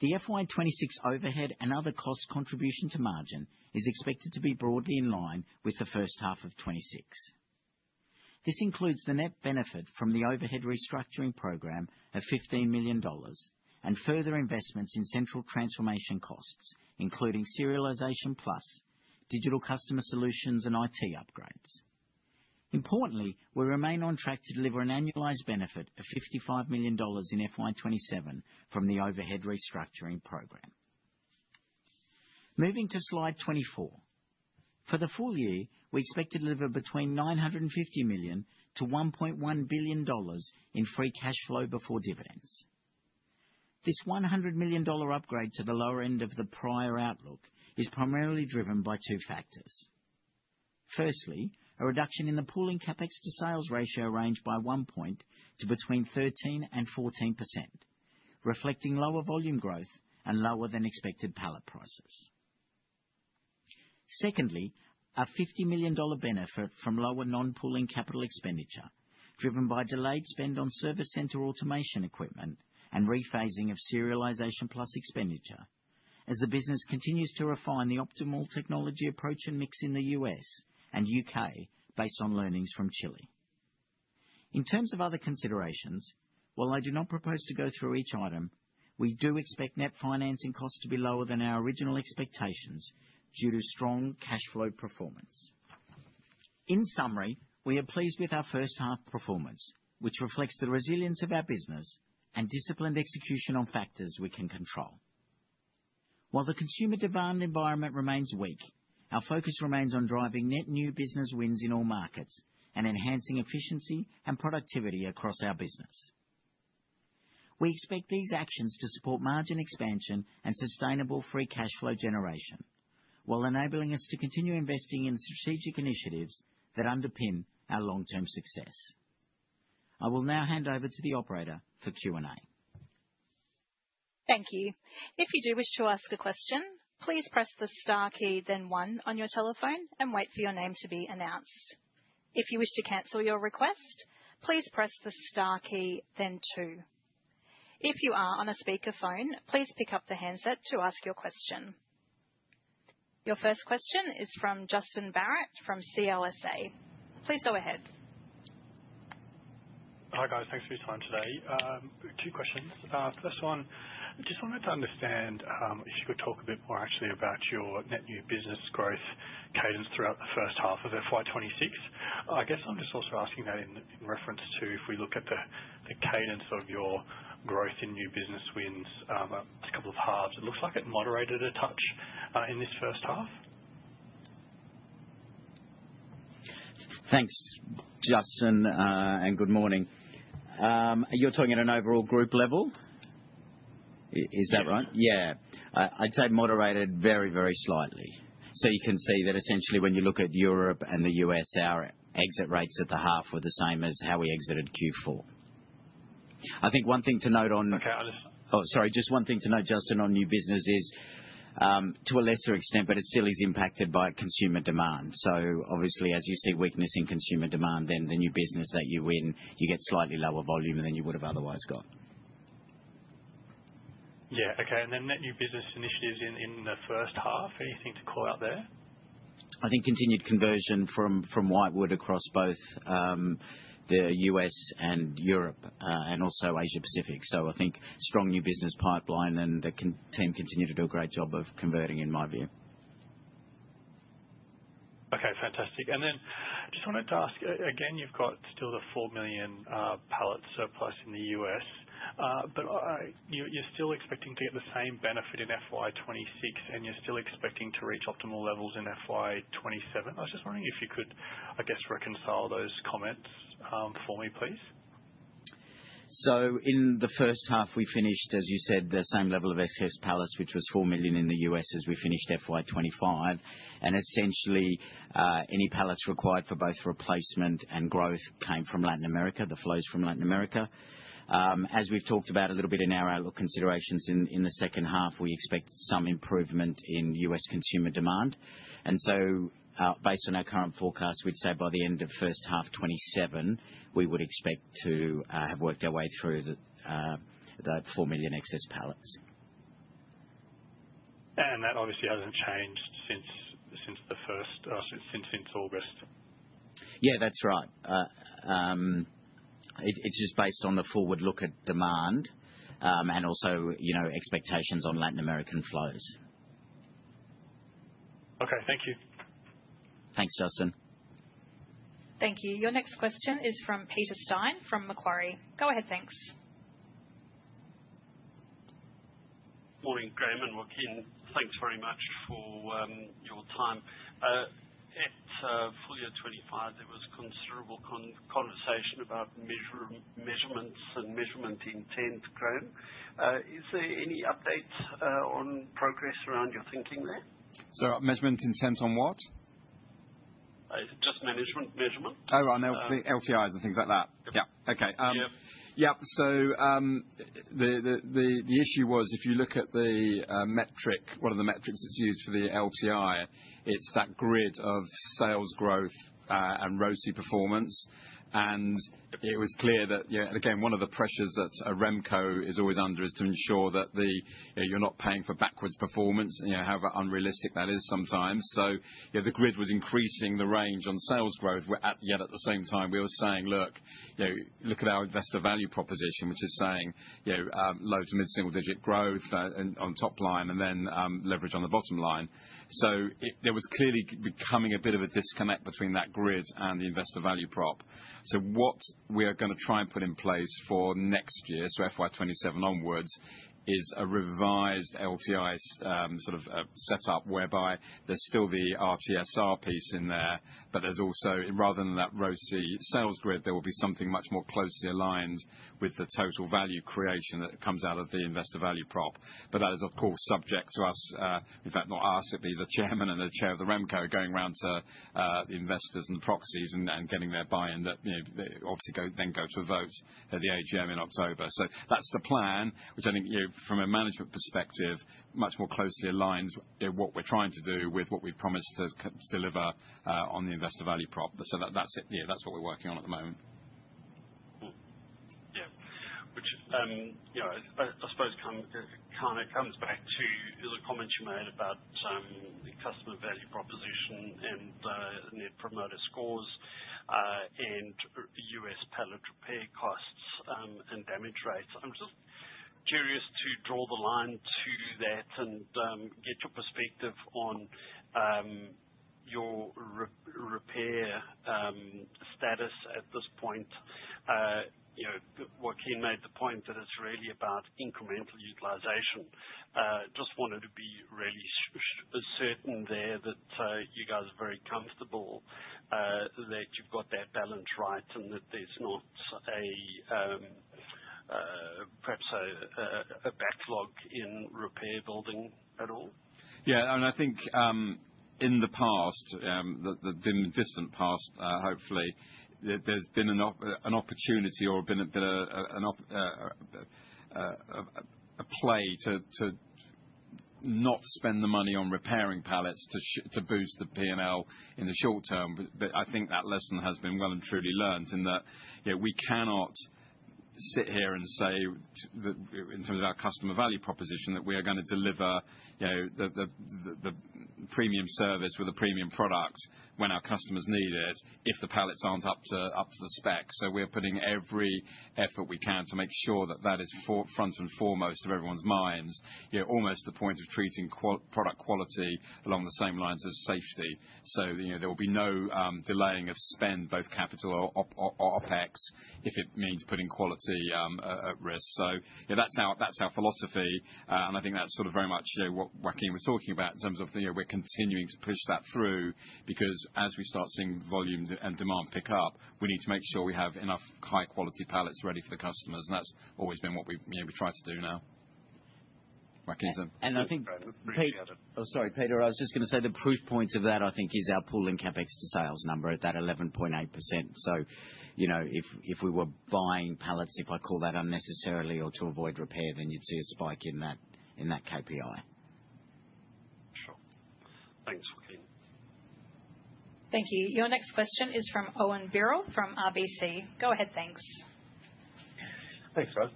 The FY 2026 overhead and other cost contribution to margin is expected to be broadly in line with the first half of 2026. This includes the net benefit from the overhead restructuring program of $15 million and further investments in central transformation costs, including Serialisation Plus digital customer solutions and IT upgrades. Importantly, we remain on track to deliver an annualized benefit of $55 million in FY 2027 from the overhead restructuring program. Moving to slide 24. For the full year, we expect to deliver between $950 million and $1.1 billion in free cash flow before dividends. This $100 million upgrade to the lower end of the prior outlook is primarily driven by two factors. Firstly, a reduction in the pooling CapEx to sales ratio range by 1 point to between 13% and 14%, reflecting lower volume growth and lower than expected pallet prices. Secondly, a $50 million benefit from lower non-pooling capital expenditure, driven by delayed spend on service center automation equipment and rephasing of Serialisation Plus expenditure, as the business continues to refine the optimal technology approach and mix in the U.S. and U.K. based on learnings from Chile. In terms of other considerations, while I do not propose to go through each item, we do expect net financing costs to be lower than our original expectations due to strong cash flow performance. In summary, we are pleased with our first half performance, which reflects the resilience of our business and disciplined execution on factors we can control. While the consumer demand environment remains weak, our focus remains net new business wins in all markets and enhancing efficiency and productivity across our business. We expect these actions to support margin expansion and sustainable free cash flow generation, while enabling us to continue investing in strategic initiatives that underpin our long-term success. I will now hand over to the operator for Q&A. Thank you. If you do wish to ask a question, please press the star key, then one on your telephone and wait for your name to be announced. If you wish to cancel your request, please press the star key, then two. If you are on a speakerphone, please pick up the handset to ask your question. Your first question is from Justin Barratt, from CLSA. Please go ahead. Hi, guys. Thanks for your time today. Two questions. First one, just wanted to understand, if you could talk a bit more actually net new business growth cadence throughout the first half of FY 2026. I guess I'm just also asking that in reference to, if we look at the cadence of your growth in new business wins, a couple of halves, it looks like it moderated a touch, in this first half? Thanks, Justin, and good morning. You're talking at an overall group level? Is that right? Yeah. Yeah. I'd say moderated very, very slightly. So you can see that essentially, when you look at Europe and the U.S., our exit rates at the half were the same as how we exited Q4. I think one thing to note on- Okay. Oh, sorry, just one thing to note, Justin, on new business is, to a lesser extent, but it still is impacted by consumer demand. So obviously, as you see weakness in consumer demand, then the new business that you win, you get slightly lower volume than you would have otherwise got. Yeah. Okay, and then net new business initiatives in the first half, anything to call out there? I think continued conversion from whitewood across both the U.S. and Europe, and also Asia Pacific. So I think strong new business pipeline and the consulting team continue to do a great job of converting, in my view. Okay, fantastic. And then just wanted to ask, again, you've got still the 4 million pallets surplus in the U.S. But, you're still expecting to get the same benefit in FY 2026, and you're still expecting to reach optimal levels in FY 2027. I was just wondering if you could, I guess, reconcile those comments, for me, please. So in the first half, we finished, as you said, the same level of excess pallets, which was 4 million in the U.S., as we finished FY 2025. And essentially, any pallets required for both replacement and growth came from Latin America, the flows from Latin America. As we've talked about a little bit in our outlook considerations in the second half, we expect some improvement in U.S. consumer demand. And so, based on our current forecast, we'd say by the end of first half 2027, we would expect to have worked our way through the 4 million excess pallets. That obviously hasn't changed since the first, since August? Yeah, that's right. It's just based on the forward look at demand, and also, you know, expectations on Latin American flows. Okay. Thank you. Thanks, Justin. Thank you. Your next question is from Peter Steyn, from Macquarie. Go ahead, thanks. Morning, Graham and Joaquin. Thanks very much for your time. At full year 2025, there was considerable conversation about measurements and measurement intent, Graham. Is there any updates on progress around your thinking there? Sorry, measurement intent on what? Just management measurement. Oh, on the LTIs and things like that? Yep. Yeah. Okay. Yeah. Yep. So, the issue was, if you look at the metric, one of the metrics that's used for the LTI, it's that grid of sales growth, and ROCE performance. And it was clear that, yeah, again, one of the pressures that a RemCo is always under is to ensure that you're not paying for backwards performance, you know, however unrealistic that is sometimes. So, you know, the grid was increasing the range on sales growth, yet at the same time, we were saying: Look, you know, look at our investor value proposition, which is saying, you know, low- to mid-single-digit growth, and on top line, and then, leverage on the bottom line. So there was clearly becoming a bit of a disconnect between that grid and the investor value prop. So what we are gonna try and put in place for next year, so FY 2027 onwards, is a revised LTI, sort of, setup, whereby there's still the RTSR piece in there. But there's also, rather than that ROCE sales grid, there will be something much more closely aligned with the total value creation that comes out of the investor value prop. But that is, of course, subject to us, in fact, not us, it'd be the chairman and the chair of the RemCo going round to, the investors and the proxies and, and getting their buy-in. That, you know, they obviously go, then go to a vote at the AGM in October. So that's the plan, which I think, you know, from a management perspective, much more closely aligns with what we're trying to do with what we've promised to deliver on the investor value prop. So that, that's it. Yeah, that's what we're working on at the moment. Yeah. Which, you know, I suppose comes back to the comments you made about the customer value proposition and Net Promoter Scores and U.S. pallet repair costs and damage rates. I'm just curious to draw the line to that and get your perspective on your repair status at this point. You know, Joaquin made the point that it's really about incremental utilization. Just wanted to be really certain there that you guys are very comfortable that you've got that balance right, and that there's not perhaps a backlog in repair building at all. Yeah, and I think, in the past, the, in the distant past, hopefully, there's been an opportunity or a play to not spend the money on repairing pallets to boost the P&L in the short term. But I think that lesson has been well and truly learned, in that, you know, we cannot sit here and say that, in terms of our customer value proposition, that we are gonna deliver, you know, the premium service with a premium product when our customers need it, if the pallets aren't up to the spec. So we're putting every effort we can to make sure that that is front and foremost on everyone's minds. You know, almost to the point of treating product quality along the same lines as safety. So, you know, there will be no delaying of spend, both capital or CapEx, if it means putting quality at risk. So, you know, that's our, that's our philosophy. And I think that's sort of very much, you know, what Joaquin was talking about in terms of, you know, we're continuing to push that through. Because as we start seeing volume and demand pick up, we need to make sure we have enough high quality pallets ready for the customers, and that's always been what we, you know, we try to do now. Joaquin? I think- Great. Oh, sorry, Peter. I was just gonna say, the proof point of that, I think, is our pooling CapEx to sales number at that 11.8%. So, you know, if, if we were buying pallets, if I call that unnecessarily or to avoid repair, then you'd see a spike in that, in that KPI. Sure. Thanks, Joaquin. Thank you. Your next question is from Owen Birrell from RBC. Go ahead, thanks. Thanks, Rose.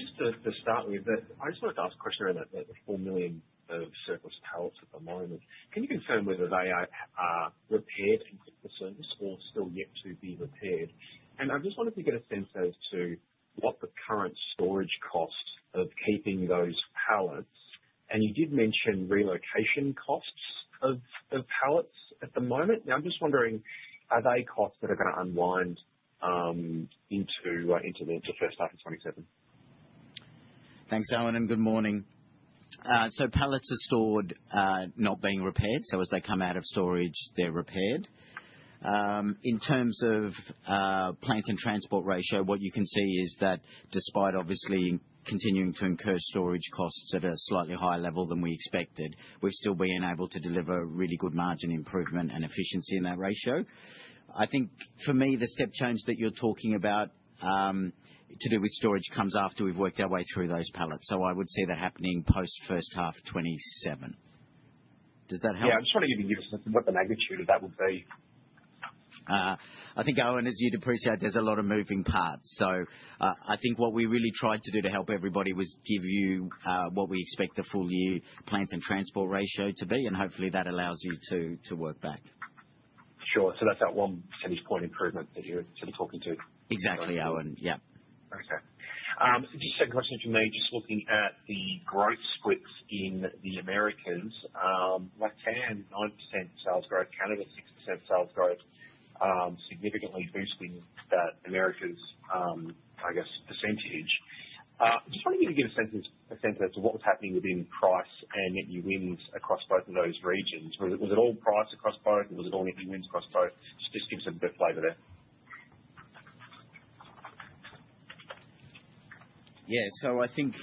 Just to start with, I just wanted to ask a question around the 4 million surplus pallets at the moment. Can you confirm whether they are repaired and fit for service or still yet to be repaired? And I just wanted to get a sense as to what the current storage costs of keeping those pallets... And you did mention relocation costs of pallets at the moment. Now, I'm just wondering, are they costs that are gonna unwind into the first half of 2027? Thanks, Owen, and good morning. So pallets are stored, not being repaired, so as they come out of storage, they're repaired. In terms of plant and transport ratio, what you can see is that despite obviously continuing to incur storage costs at a slightly higher level than we expected, we've still been able to deliver really good margin improvement and efficiency in that ratio. I think for me, the step change that you're talking about, to do with storage comes after we've worked our way through those pallets. So I would see that happening post first half 2027. Does that help? Yeah, I'm just trying to get a sense of what the magnitude of that would be. I think, Owen, as you'd appreciate, there's a lot of moving parts. So, I think what we really tried to do to help everybody was give you what we expect the full year plant and transport ratio to be, and hopefully that allows you to work back. Sure. So that's that one percentage point improvement that you're sort of talking to? Exactly, Owen. Yeah. Okay. Just a second question from me, just looking at the growth splits in the Americas. LatAm, 9% sales growth, Canada, 6% sales growth, significantly boosting that Americas, I guess, percentage. Just wondering if you could give a sense, a sense as to what was happening within price and net new wins across both of those regions. Was it, was it all price across both, and was it all net new wins across both? Just, just give us a bit of flavor there. Yeah, so I think,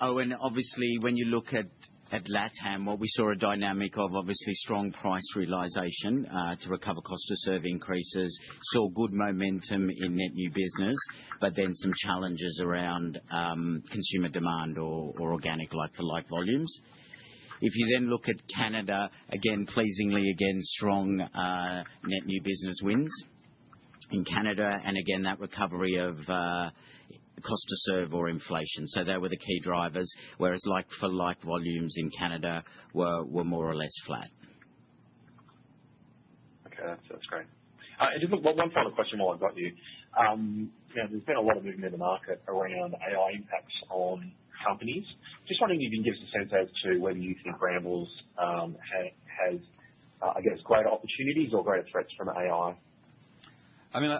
Owen, obviously, when you look at, at LatAm, what we saw a dynamic of obviously strong price realization to recover cost to serve increases. Saw good momentum in net new business, but then some challenges around consumer demand or, or organic Like-for-Like Volumes. If you then look at Canada, again, pleasingly net new business wins in Canada, and again, that recovery of cost to serve or inflation. So they were the key drivers, whereas like for like volumes in Canada were, were more or less flat. Okay, that's great. And just one final question while I've got you. You know, there's been a lot of movement in the market around AI impacts on companies. Just wondering if you can give us a sense as to whether you think Brambles has, I guess, great opportunities or great threats from AI? I mean,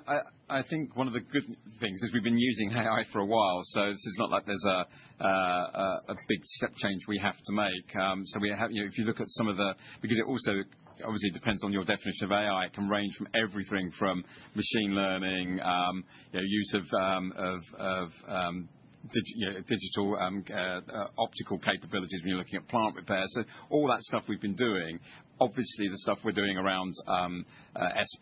I think one of the good things is we've been using AI for a while, so this is not like there's a big step change we have to make. So we have. You know, if you look at some of the, because it also obviously depends on your definition of AI, it can range from everything from machine learning, you know, use of digital optical capabilities when you're looking at plant repairs. So all that stuff we've been doing, obviously, the stuff we're doing around S+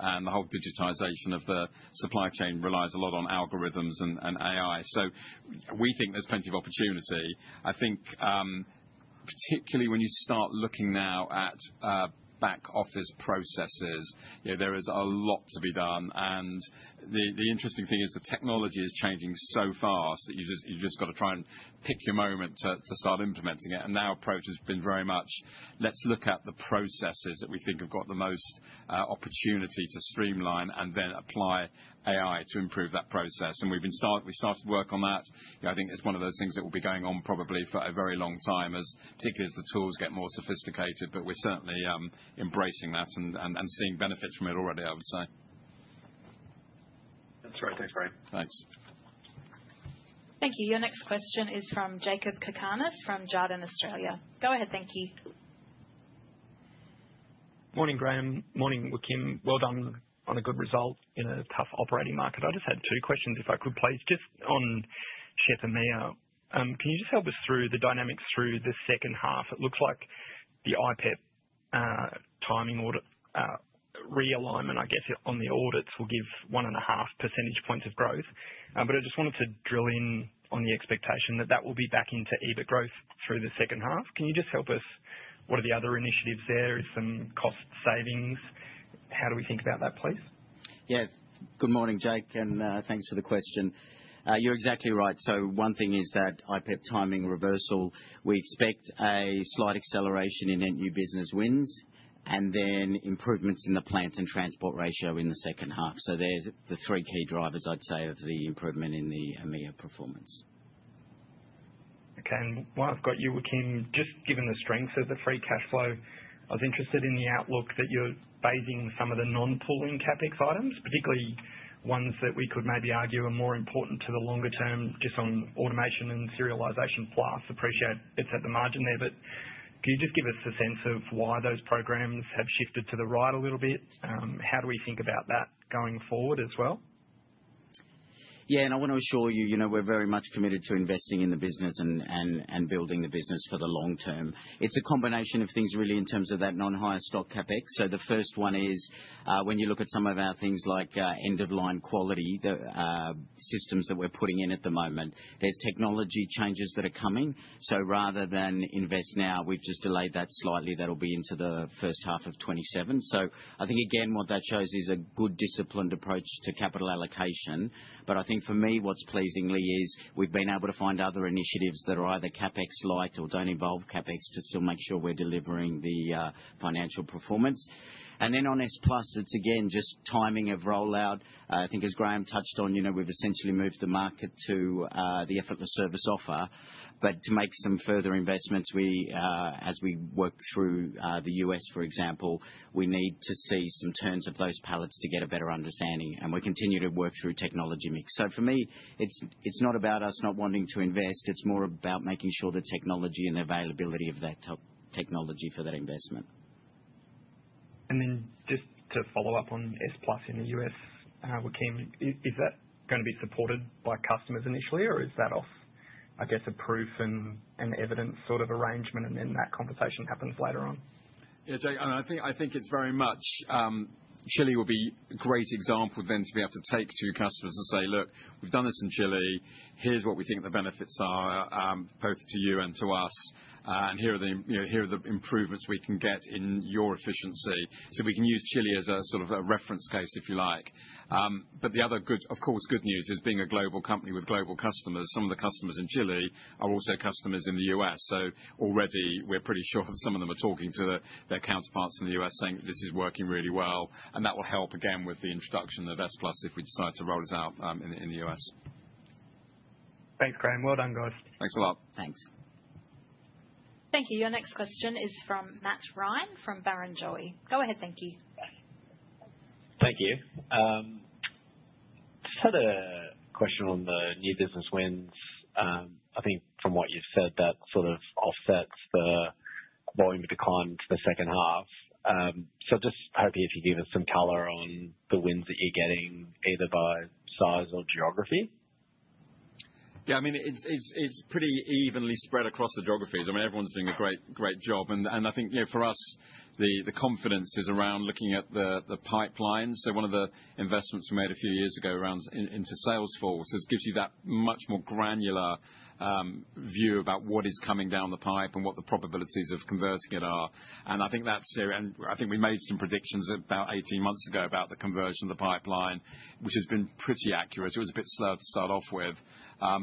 and the whole digitization of the supply chain relies a lot on algorithms and AI. So we think there's plenty of opportunity. I think, particularly when you start looking now at back office processes, you know, there is a lot to be done. And the interesting thing is the technology is changing so fast that you just, you've just got to try and pick your moment to start implementing it. And our approach has been very much, let's look at the processes that we think have got the most opportunity to streamline and then apply AI to improve that process. And we started work on that. You know, I think it's one of those things that will be going on probably for a very long time, particularly as the tools get more sophisticated. But we're certainly embracing that and seeing benefits from it already, I would say. That's right. Thanks, Graham. Thanks. Thank you. Your next question is from Jakob Cakarnis, from Jarden Australia. Go ahead, thank you. Morning, Graham. Morning, Joaquin. Well done on a good result in a tough operating market. I just had two questions, if I could, please. Just on CHEP and EMEA. Can you just help us through the dynamics through the second half? It looks like the IPEP, timing order, realignment, I guess, on the audits will give 1.5 percentage points of growth. But I just wanted to drill in on the expectation that that will be back into EBIT growth through the second half. Can you just help us? What are the other initiatives there? Is some cost savings. How do we think about that, please? Yeah. Good morning, Jake, and thanks for the question. You're exactly right. So one thing is that IPEP timing reversal, we expect a slight net new business wins and then improvements in the plant and transport ratio in the second half. So there's the three key drivers, I'd say, of the improvement in the EMEA performance. Okay. And while I've got you, Joaquin, just given the strength of the free cash flow, I was interested in the outlook that you're phasing some of the non-pooling CapEx items, particularly ones that we could maybe argue are more important to the longer term, just on automation and Serialisation Plus. Appreciate it's at the margin there, but can you just give us a sense of why those programs have shifted to the right a little bit? How do we think about that going forward as well? Yeah, and I want to assure you, you know, we're very much committed to investing in the business and building the business for the long term. It's a combination of things really, in terms of that non-higher stock CapEx. So the first one is, when you look at some of our things like end-of-line quality, the systems that we're putting in at the moment, there's technology changes that are coming. So rather than invest now, we've just delayed that slightly. That'll be into the first half of 2027. So I think again, what that shows is a good, disciplined approach to capital allocation. But I think for me, what's pleasing is we've been able to find other initiatives that are either CapEx light or don't involve CapEx, to still make sure we're delivering the financial performance. On S+ it's again, just timing of rollout. I think as Graham touched on, you know, we've essentially moved the market to the Effortless Service Offer. But to make some further investments, we, as we work through the U.S., for example, we need to see some turns of those pallets to get a better understanding, and we continue to work through technology mix. So for me, it's, it's not about us not wanting to invest, it's more about making sure the technology and the availability of that technology for that investment. Then just to follow up on S+ in the U.S., Joaquin, is that going to be supported by customers initially, or is that off? I guess a proof and evidence sort of arrangement, and then that conversation happens later on? Yeah, Jake, and I think, I think it's very much, Chile will be a great example then to be able to take to customers and say: Look, we've done this in Chile. Here's what we think the benefits are, both to you and to us, and here are the, you know, here are the improvements we can get in your efficiency. So we can use Chile as a sort of a reference case, if you like. But the other good news is, of course, being a global company with global customers, some of the customers in Chile are also customers in the U.S. Already we're pretty sure some of them are talking to their counterparts in the U.S., saying, "This is working really well." And that will help again with the introduction of S+ if we decide to roll this out in the U.S. Thanks, Graham. Well done, guys. Thanks a lot. Thanks. Thank you. Your next question is from Matt Ryan, from Barrenjoey. Go ahead, thank you. Thank you. Just had a question on the new business wins. I think from what you've said, that sort of offsets the volume decline to the second half. So just hopefully if you give us some color on the wins that you're getting, either by size or geography. Yeah, I mean, it's pretty evenly spread across the geographies. I mean, everyone's doing a great, great job. And I think, you know, for us, the confidence is around looking at the pipeline. So one of the investments we made a few years ago around into Salesforce, this gives you that much more granular view about what is coming down the pipe and what the probabilities of converting it are. And I think that's – and I think we made some predictions about 18 months ago about the conversion of the pipeline, which has been pretty accurate. It was a bit slow to start off with.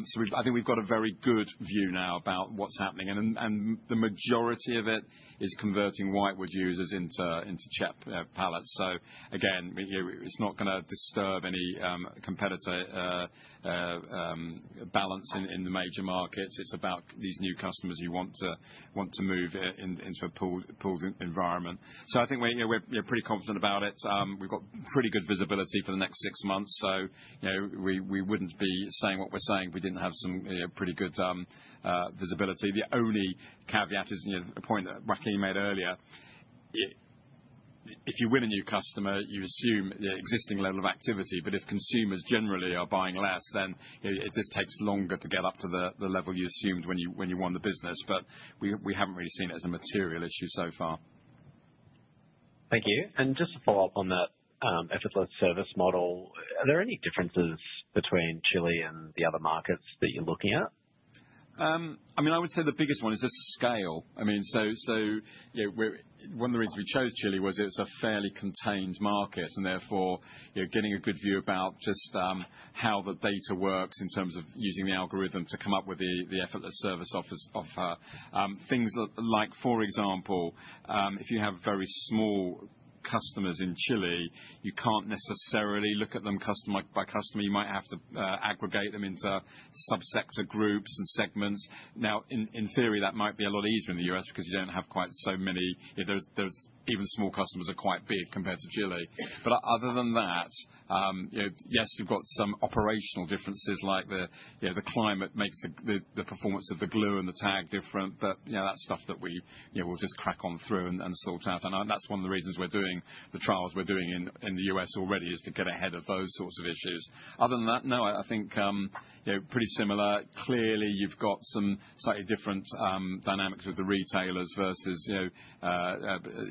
So I think we've got a very good view now about what's happening, and the majority of it is converting whitewood users into CHEP pallets. So again, it's not gonna disturb any competitor balance in the major markets. It's about these new customers you want to move into a pooled environment. So I think we're, you know, pretty confident about it. We've got pretty good visibility for the next six months, so, you know, we wouldn't be saying what we're saying if we didn't have some, you know, pretty good visibility. The only caveat is, you know, a point that Joaquin made earlier. If you win a new customer, you assume the existing level of activity, but if consumers generally are buying less, then it just takes longer to get up to the level you assumed when you won the business, but we haven't really seen it as a material issue so far. Thank you. Just to follow up on that, effortless service model, are there any differences between Chile and the other markets that you're looking at? I mean, I would say the biggest one is just scale. I mean, so, you know, we're... One of the reasons we chose Chile was it was a fairly contained market, and therefore, you're getting a good view about just how the data works in terms of using the algorithm to come up with the Effortless Service Offer. Things like, for example, if you have very small customers in Chile, you can't necessarily look at them customer by customer. You might have to aggregate them into subsector groups and segments. Now, in theory, that might be a lot easier in the U.S. because you don't have quite so many. Those, those, even small customers are quite big compared to Chile. But other than that, you know, yes, you've got some operational differences, like the, you know, the climate makes the performance of the glue and the tag different. But, you know, that's stuff that we, you know, we'll just crack on through and sort out. And that's one of the reasons we're doing the trials we're doing in the U.S. already, is to get ahead of those sorts of issues. Other than that, no, I think, you know, pretty similar. Clearly, you've got some slightly different dynamics with the retailers versus, you know,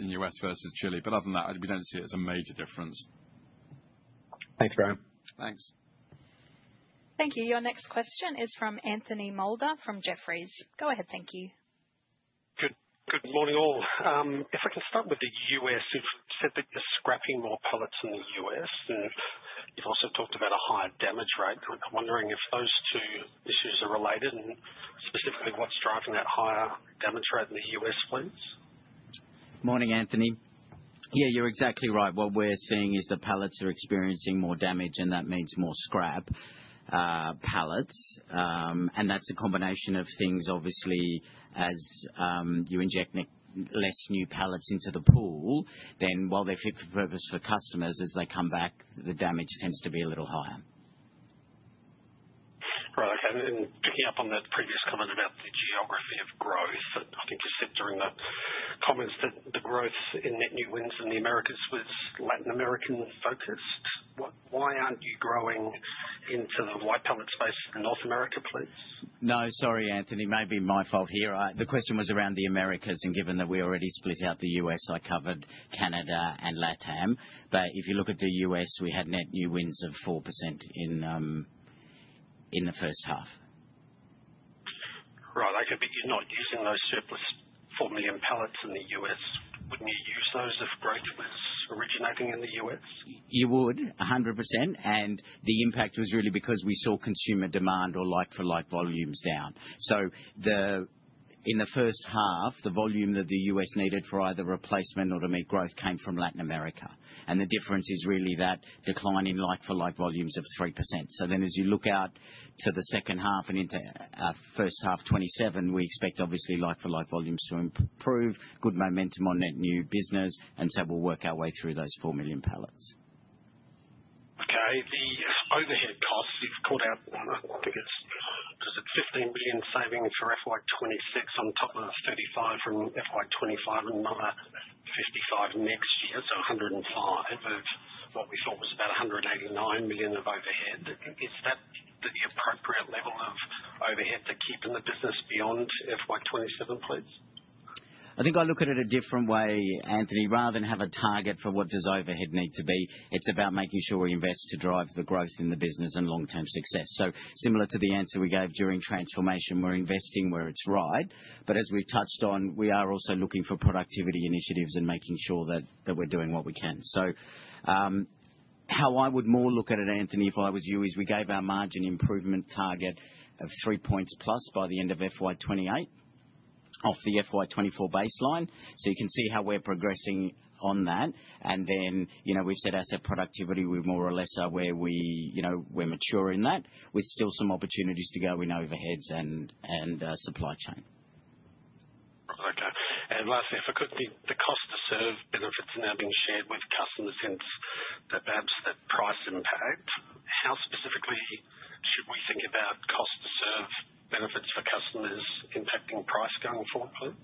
in U.S. versus Chile. But other than that, we don't see it as a major difference. Thanks, Graham. Thanks. Thank you. Your next question is from Anthony Moulder, from Jefferies. Go ahead, thank you. Good morning, all. If I can start with the U.S., you've said that you're scrapping more pallets in the U.S., and you've also talked about a higher damage rate. I'm wondering if those two issues are related and specifically, what's driving that higher damage rate in the U.S., please? Morning, Anthony. Yeah, you're exactly right. What we're seeing is the pallets are experiencing more damage, and that means more scrap pallets. That's a combination of things. Obviously, as you inject less new pallets into the pool, then while they're fit for purpose for customers, as they come back, the damage tends to be a little higher. Right. Okay, and then picking up on that previous comment about the geography of growth, I think you said during the comments that the growth in net new wins in the Americas was Latin American-focused. Why aren't you growing into the whitewood pallet space in North America, please? No, sorry, Anthony, maybe my fault here. The question was around the Americas, and given that we already split out the U.S., I covered Canada and LatAm. But if you look at the U.S., we had net new wins of 4% in the first half. Right. Okay, but you're not using those surplus 4 million pallets in the U.S. Wouldn't you use those if growth was originating in the U.S.? You would, 100%, and the impact was really because we saw consumer demand or like-for-like volumes down. So, in the first half, the volume that the U.S. needed for either replacement or to meet growth came from Latin America, and the difference is really that decline in like-for-like volumes of 3%. So then, as you look out to the second half and into first half, 2027, we expect obviously like-for-like volumes to improve, good net new business, and so we'll work our way through those 4 million pallets. Okay. The overhead costs you've called out, I think it's, is it $15 million savings for FY 2026 on top of the $35 million from FY 2025 and another $55 million next year, so $105 million of what we thought was about $189 million of overhead. Is that the appropriate level of overhead to keep in the business beyond FY 2027, please? I think I look at it a different way, Anthony. Rather than have a target for what does overhead need to be, it's about making sure we invest to drive the growth in the business and long-term success. So similar to the answer we gave during transformation, we're investing where it's right. But as we've touched on, we are also looking for productivity initiatives and making sure that, that we're doing what we can. So, how I would more look at it, Anthony, if I was you, is we gave our margin improvement target of 3 points plus by the end of FY 2028 off the FY 2024 baseline. So you can see how we're progressing on that. Then, you know, we've said asset productivity, we more or less are where we, you know, we're mature in that, with still some opportunities to go in overheads and supply chain. Okay. And lastly, if I could, the cost to serve benefits are now being shared with customers since perhaps the price impact. How specifically should we think about cost to serve benefits for customers impacting price going forward,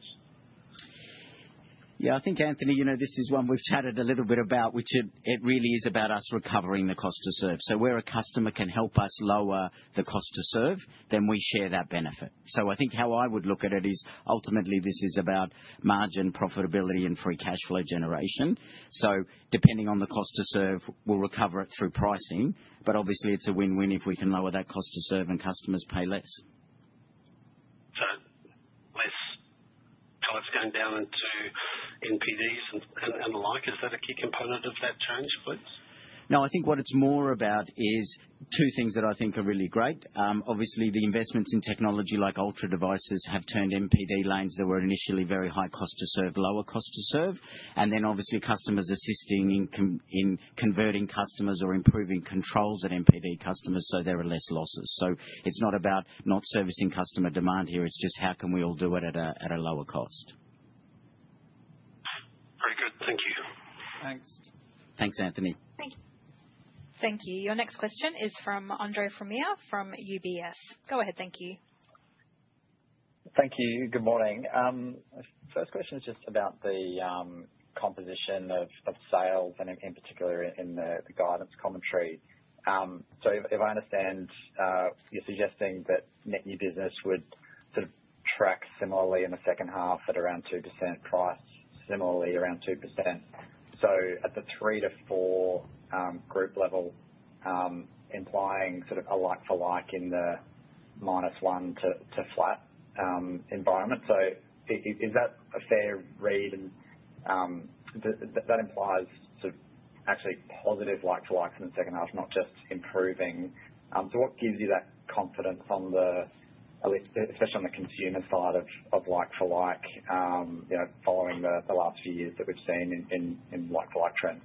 please? Yeah, I think, Anthony, you know, this is one we've chatted a little bit about, which it, it really is about us recovering the cost to serve. So where a customer can help us lower the cost to serve, then we share that benefit. So I think how I would look at it is ultimately this is about margin profitability and free cash flow generation. So depending on the cost to serve, we'll recover it through pricing. But obviously it's a win-win if we can lower that cost to serve and customers pay less. So less products going down into NPDs and the like, is that a key component of that change, please? No, I think what it's more about is two things that I think are really great. Obviously, the investments in technology, like autonomous devices, have turned NPD lanes that were initially very high cost to serve, lower cost to serve. And then obviously customers assisting in converting customers or improving controls at NPD customers, so there are less losses. So it's not about not servicing customer demand here, it's just how can we all do it at a lower cost. Very good. Thank you. Thanks. Thanks, Anthony. Thank you. Your next question is from Andre Fromyhr from UBS. Go ahead. Thank you. Thank you. Good morning. First question is just about the composition of sales and in particular, in the guidance commentary. So if I understand, you're net new business would sort of track similarly in the second half at around 2% price, similarly around 2%. So at the 3%-4% group level, implying sort of a like-for-like in the -1% to flat environment. So is that a fair read? And that implies sort of actually positive like-for-like in the second half, not just improving. So what gives you that confidence on the, at least especially on the consumer side of like-for-like, you know, following the last few years that we've seen in like-for-like trend?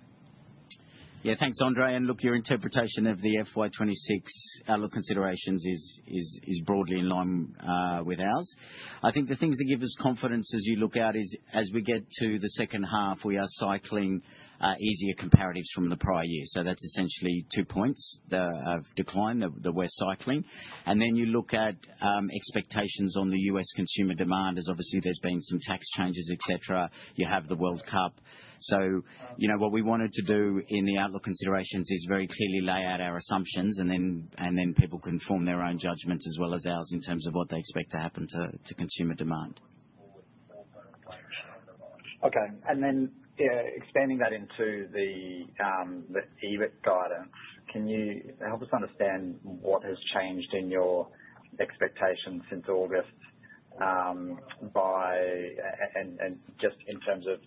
Yeah. Thanks, Andre. And look, your interpretation of the FY 2026 outlook considerations is broadly in line with ours. I think the things that give us confidence as you look out is, as we get to the second half, we are cycling easier comparatives from the prior year. So that's essentially 2 points of decline that we're cycling. And then you look at expectations on the U.S. consumer demand, as obviously there's been some tax changes, et cetera. You have the World Cup. So, you know, what we wanted to do in the outlook considerations is very clearly lay out our assumptions and then people can form their own judgments as well as ours, in terms of what they expect to happen to consumer demand. Okay. And then, expanding that into the EBIT guidance, can you help us understand what has changed in your expectations since August, and just in terms of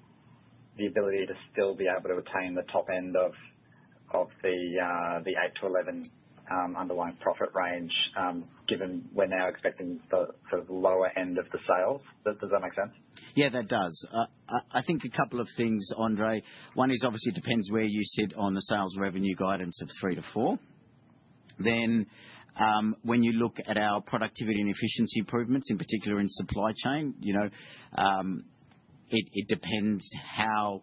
the ability to still be able to obtain the top end of the 8-11 underlying profit range, given we're now expecting the sort of lower end of the sales? Does that make sense? Yeah, that does. I think a couple of things, Andre. One is obviously depends where you sit on the sales revenue guidance of 3-4. Then, when you look at our productivity and efficiency improvements, in particular in supply chain, you know, it depends how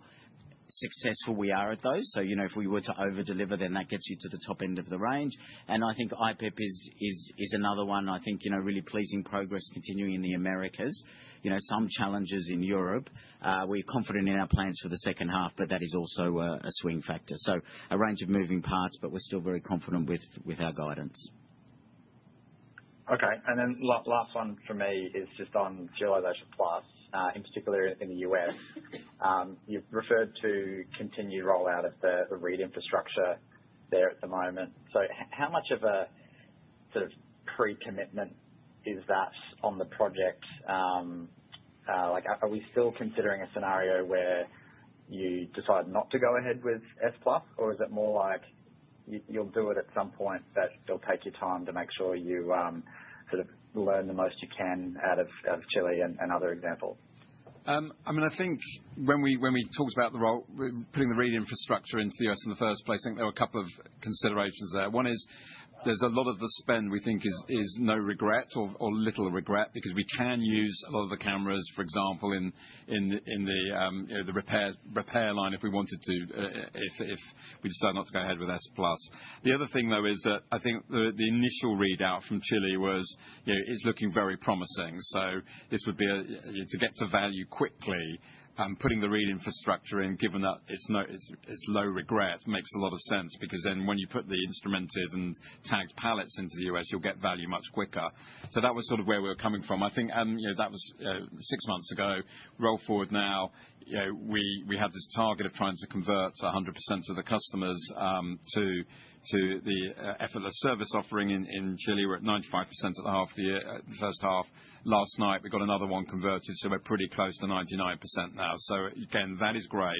successful we are at those. So, you know, if we were to overdeliver, then that gets you to the top end of the range. And I think IPEP is another one, I think, you know, really pleasing progress continuing in the Americas. You know, some challenges in Europe. We're confident in our plans for the second half, but that is also a swing factor. So a range of moving parts, but we're still very confident with our guidance. Okay. And then last one from me is just on Serialisation Plus, in particular in the U.S. You've referred to continued rollout of the RFID infrastructure there at the moment. So how much of a sort of pre-commitment is that on the project? Like, are we still considering a scenario where you decide not to go ahead with S+, or is it more like you'll do it at some point, but you'll take your time to make sure you sort of learn the most you can out of Chile and other examples? I mean, I think when we, when we talked about the role, we're putting the read infrastructure into the U.S. in the first place, I think there were a couple of considerations there. One is, there's a lot of the spend we think is, is no regret or, or little regret, because we can use a lot of the cameras, for example, in, in, in the, you know, the repairs, repair line if we wanted to, if, if we decide not to go ahead with S+. The other thing, though, is that I think the, the initial readout from Chile was, you know, is looking very promising. So this would be a to get to value quickly, putting the read infrastructure in, given that it's it's low regret, makes a lot of sense, because then when you put the instrumented and tagged pallets into the U.S., you'll get value much quicker. So that was sort of where we were coming from. I think, you know, that was, six months ago. Roll forward now, you know, we, we have this target of trying to convert 100% of the customers, to, to the, Effortless Service Offering in, in Chile. We're at 95% at the half the year, the first half. Last night, we got another one converted, so we're pretty close to 99% now. So again, that is great,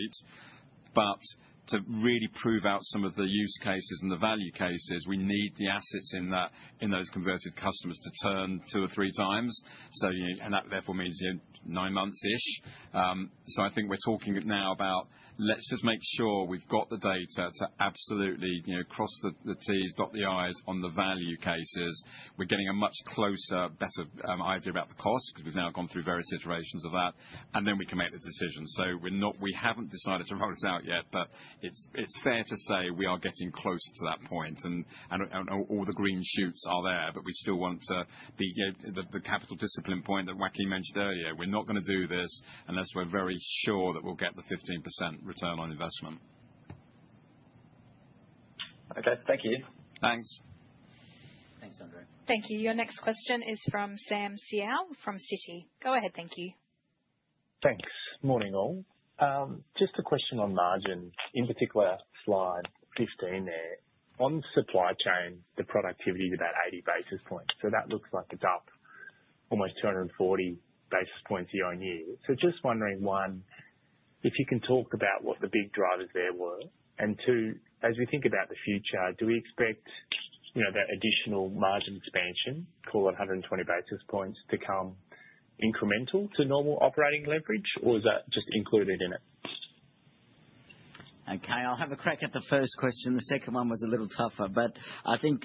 but to really prove out some of the use cases and the value cases, we need the assets in that, in those converted customers to turn two or three times. And that, therefore, means, you know, nine months-ish. So I think we're talking now about let's just make sure we've got the data to absolutely, you know, cross the T's, dot the I's on the value cases. We're getting a much closer, better idea about the cost, because we've now gone through various iterations of that, and then we can make the decision. So we're not, we haven't decided to roll this out yet, but it's fair to say we are getting closer to that point, and all the green shoots are there, but we still want to... You know, the capital discipline point that Joaquin mentioned earlier, we're not going to do this unless we're very sure that we'll get the 15% return on investment. Okay, thank you. Thanks. Thanks, Andre. Thank you. Your next question is from Sam Seow, from Citi. Go ahead, thank you. Thanks. Morning, all. Just a question on margins, in particular, slide 15 there. On supply chain, the productivity with that 80 basis points. So that looks like it's up almost 240 basis points year-on-year. So just wondering, one, if you can talk about what the big drivers there were? And two, as we think about the future, do we expect, you know, that additional margin expansion for 120 basis points to come incremental to normal operating leverage, or is that just included in it? Okay, I'll have a crack at the first question. The second one was a little tougher, but I think,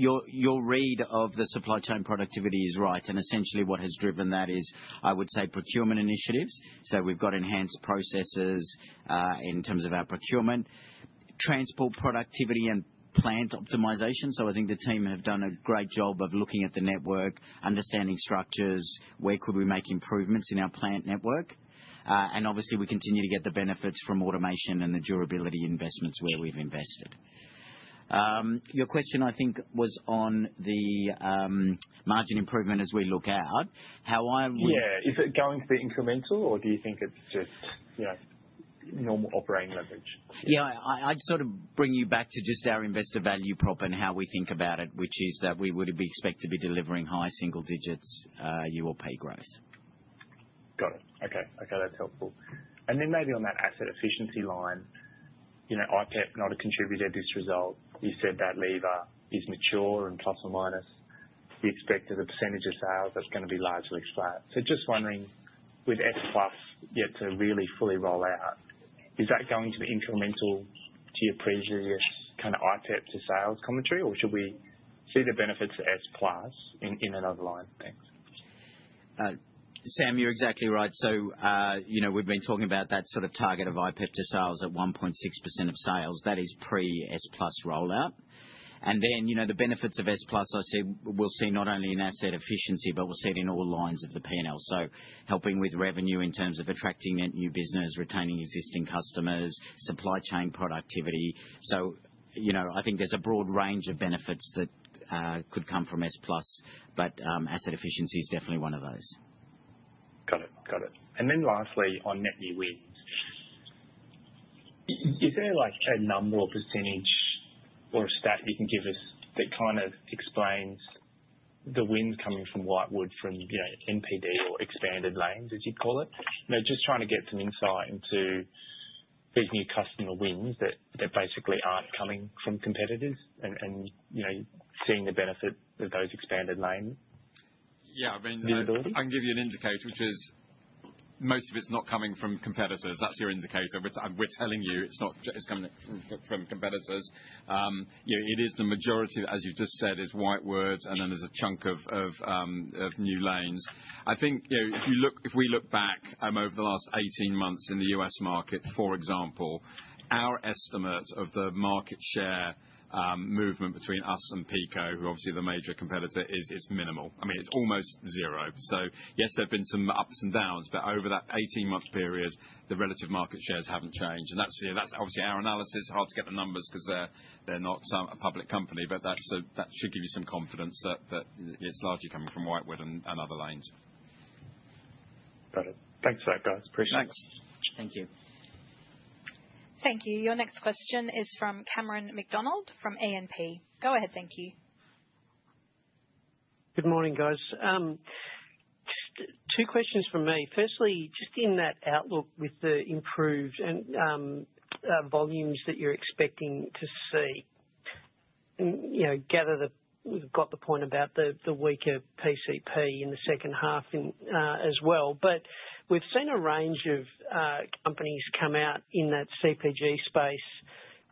your, your read of the supply chain productivity is right, and essentially what has driven that is, I would say, procurement initiatives. So we've got enhanced processes, in terms of our procurement, transport, productivity, and plant optimization. So I think the team have done a great job of looking at the network, understanding structures, where could we make improvements in our plant network? And obviously, we continue to get the benefits from automation and the durability investments where we've invested. Your question, I think, was on the margin improvement as we look out, how I would- Yeah. Is it going to be incremental, or do you think it's just, you know, normal operating leverage? I'd sort of bring you back to just our investor value prop and how we think about it, which is that we would expect to be delivering high single digits year-on-year growth. Got it. Okay. Okay, that's helpful. And then maybe on that asset efficiency line, you know, IPEP, not a contributor to this result. You said that lever is mature and ±, we expect that the percentage of sales is going to be largely flat. So just wondering, with S+ yet to really fully roll out, is that going to be incremental to your previous kind of IPEP to sales commentary, or should we see the benefits of S+ in another line? Thanks. Sam, you're exactly right. So, you know, we've been talking about that sort of target of IPEP to sales at 1.6% of sales. That is pre S+ rollout. And then, you know, the benefits of S+, I say, we'll see not only in asset efficiency, but we'll see it in all lines of the P&L. So helping with revenue in terms of attracting new business, retaining existing customers, supply chain productivity. So, you know, I think there's a broad range of benefits that could come from S+, but asset efficiency is definitely one of those. Got it. Got it. And then lastly, on net new wins. Is there, like, a number or percentage or a stat you can give us that kind of explains the wins coming from whitewood, from, you know, NPD or expanded lanes, as you'd call it? You know, just trying to get some insight into these new customer wins that basically aren't coming from competitors and, you know, seeing the benefit of those expanded lanes. Yeah, I mean- Visibility. I can give you an indicator, which is most of it's not coming from competitors. That's your indicator. We're telling you, it's not. It's coming from competitors. You know, it is the majority, as you've just said, is whitewood, and then there's a chunk of new lanes. I think, you know, if we look back over the last 18 months in the U.S. market, for example, our estimate of the market share movement between us and PECO, who obviously the major competitor, is minimal. I mean, it's almost zero. So yes, there have been some ups and downs, but over that 18-month period, the relative market shares haven't changed. And that's, you know, that's obviously our analysis. Hard to get the numbers because they're not a public company, but that's a – That should give you some confidence that it's largely coming from whitewood and other lanes. Got it. Thanks for that, guys. Appreciate it. Thanks. Thank you. Thank you. Your next question is from Cameron McDonald, from E&P. Go ahead, thank you. Good morning, guys. Just two questions from me. Firstly, just in that outlook with the improved and volumes that you're expecting to see. You know, but the you've got the point about the weaker PCP in the second half as well. But we've seen a range of companies come out in that CPG space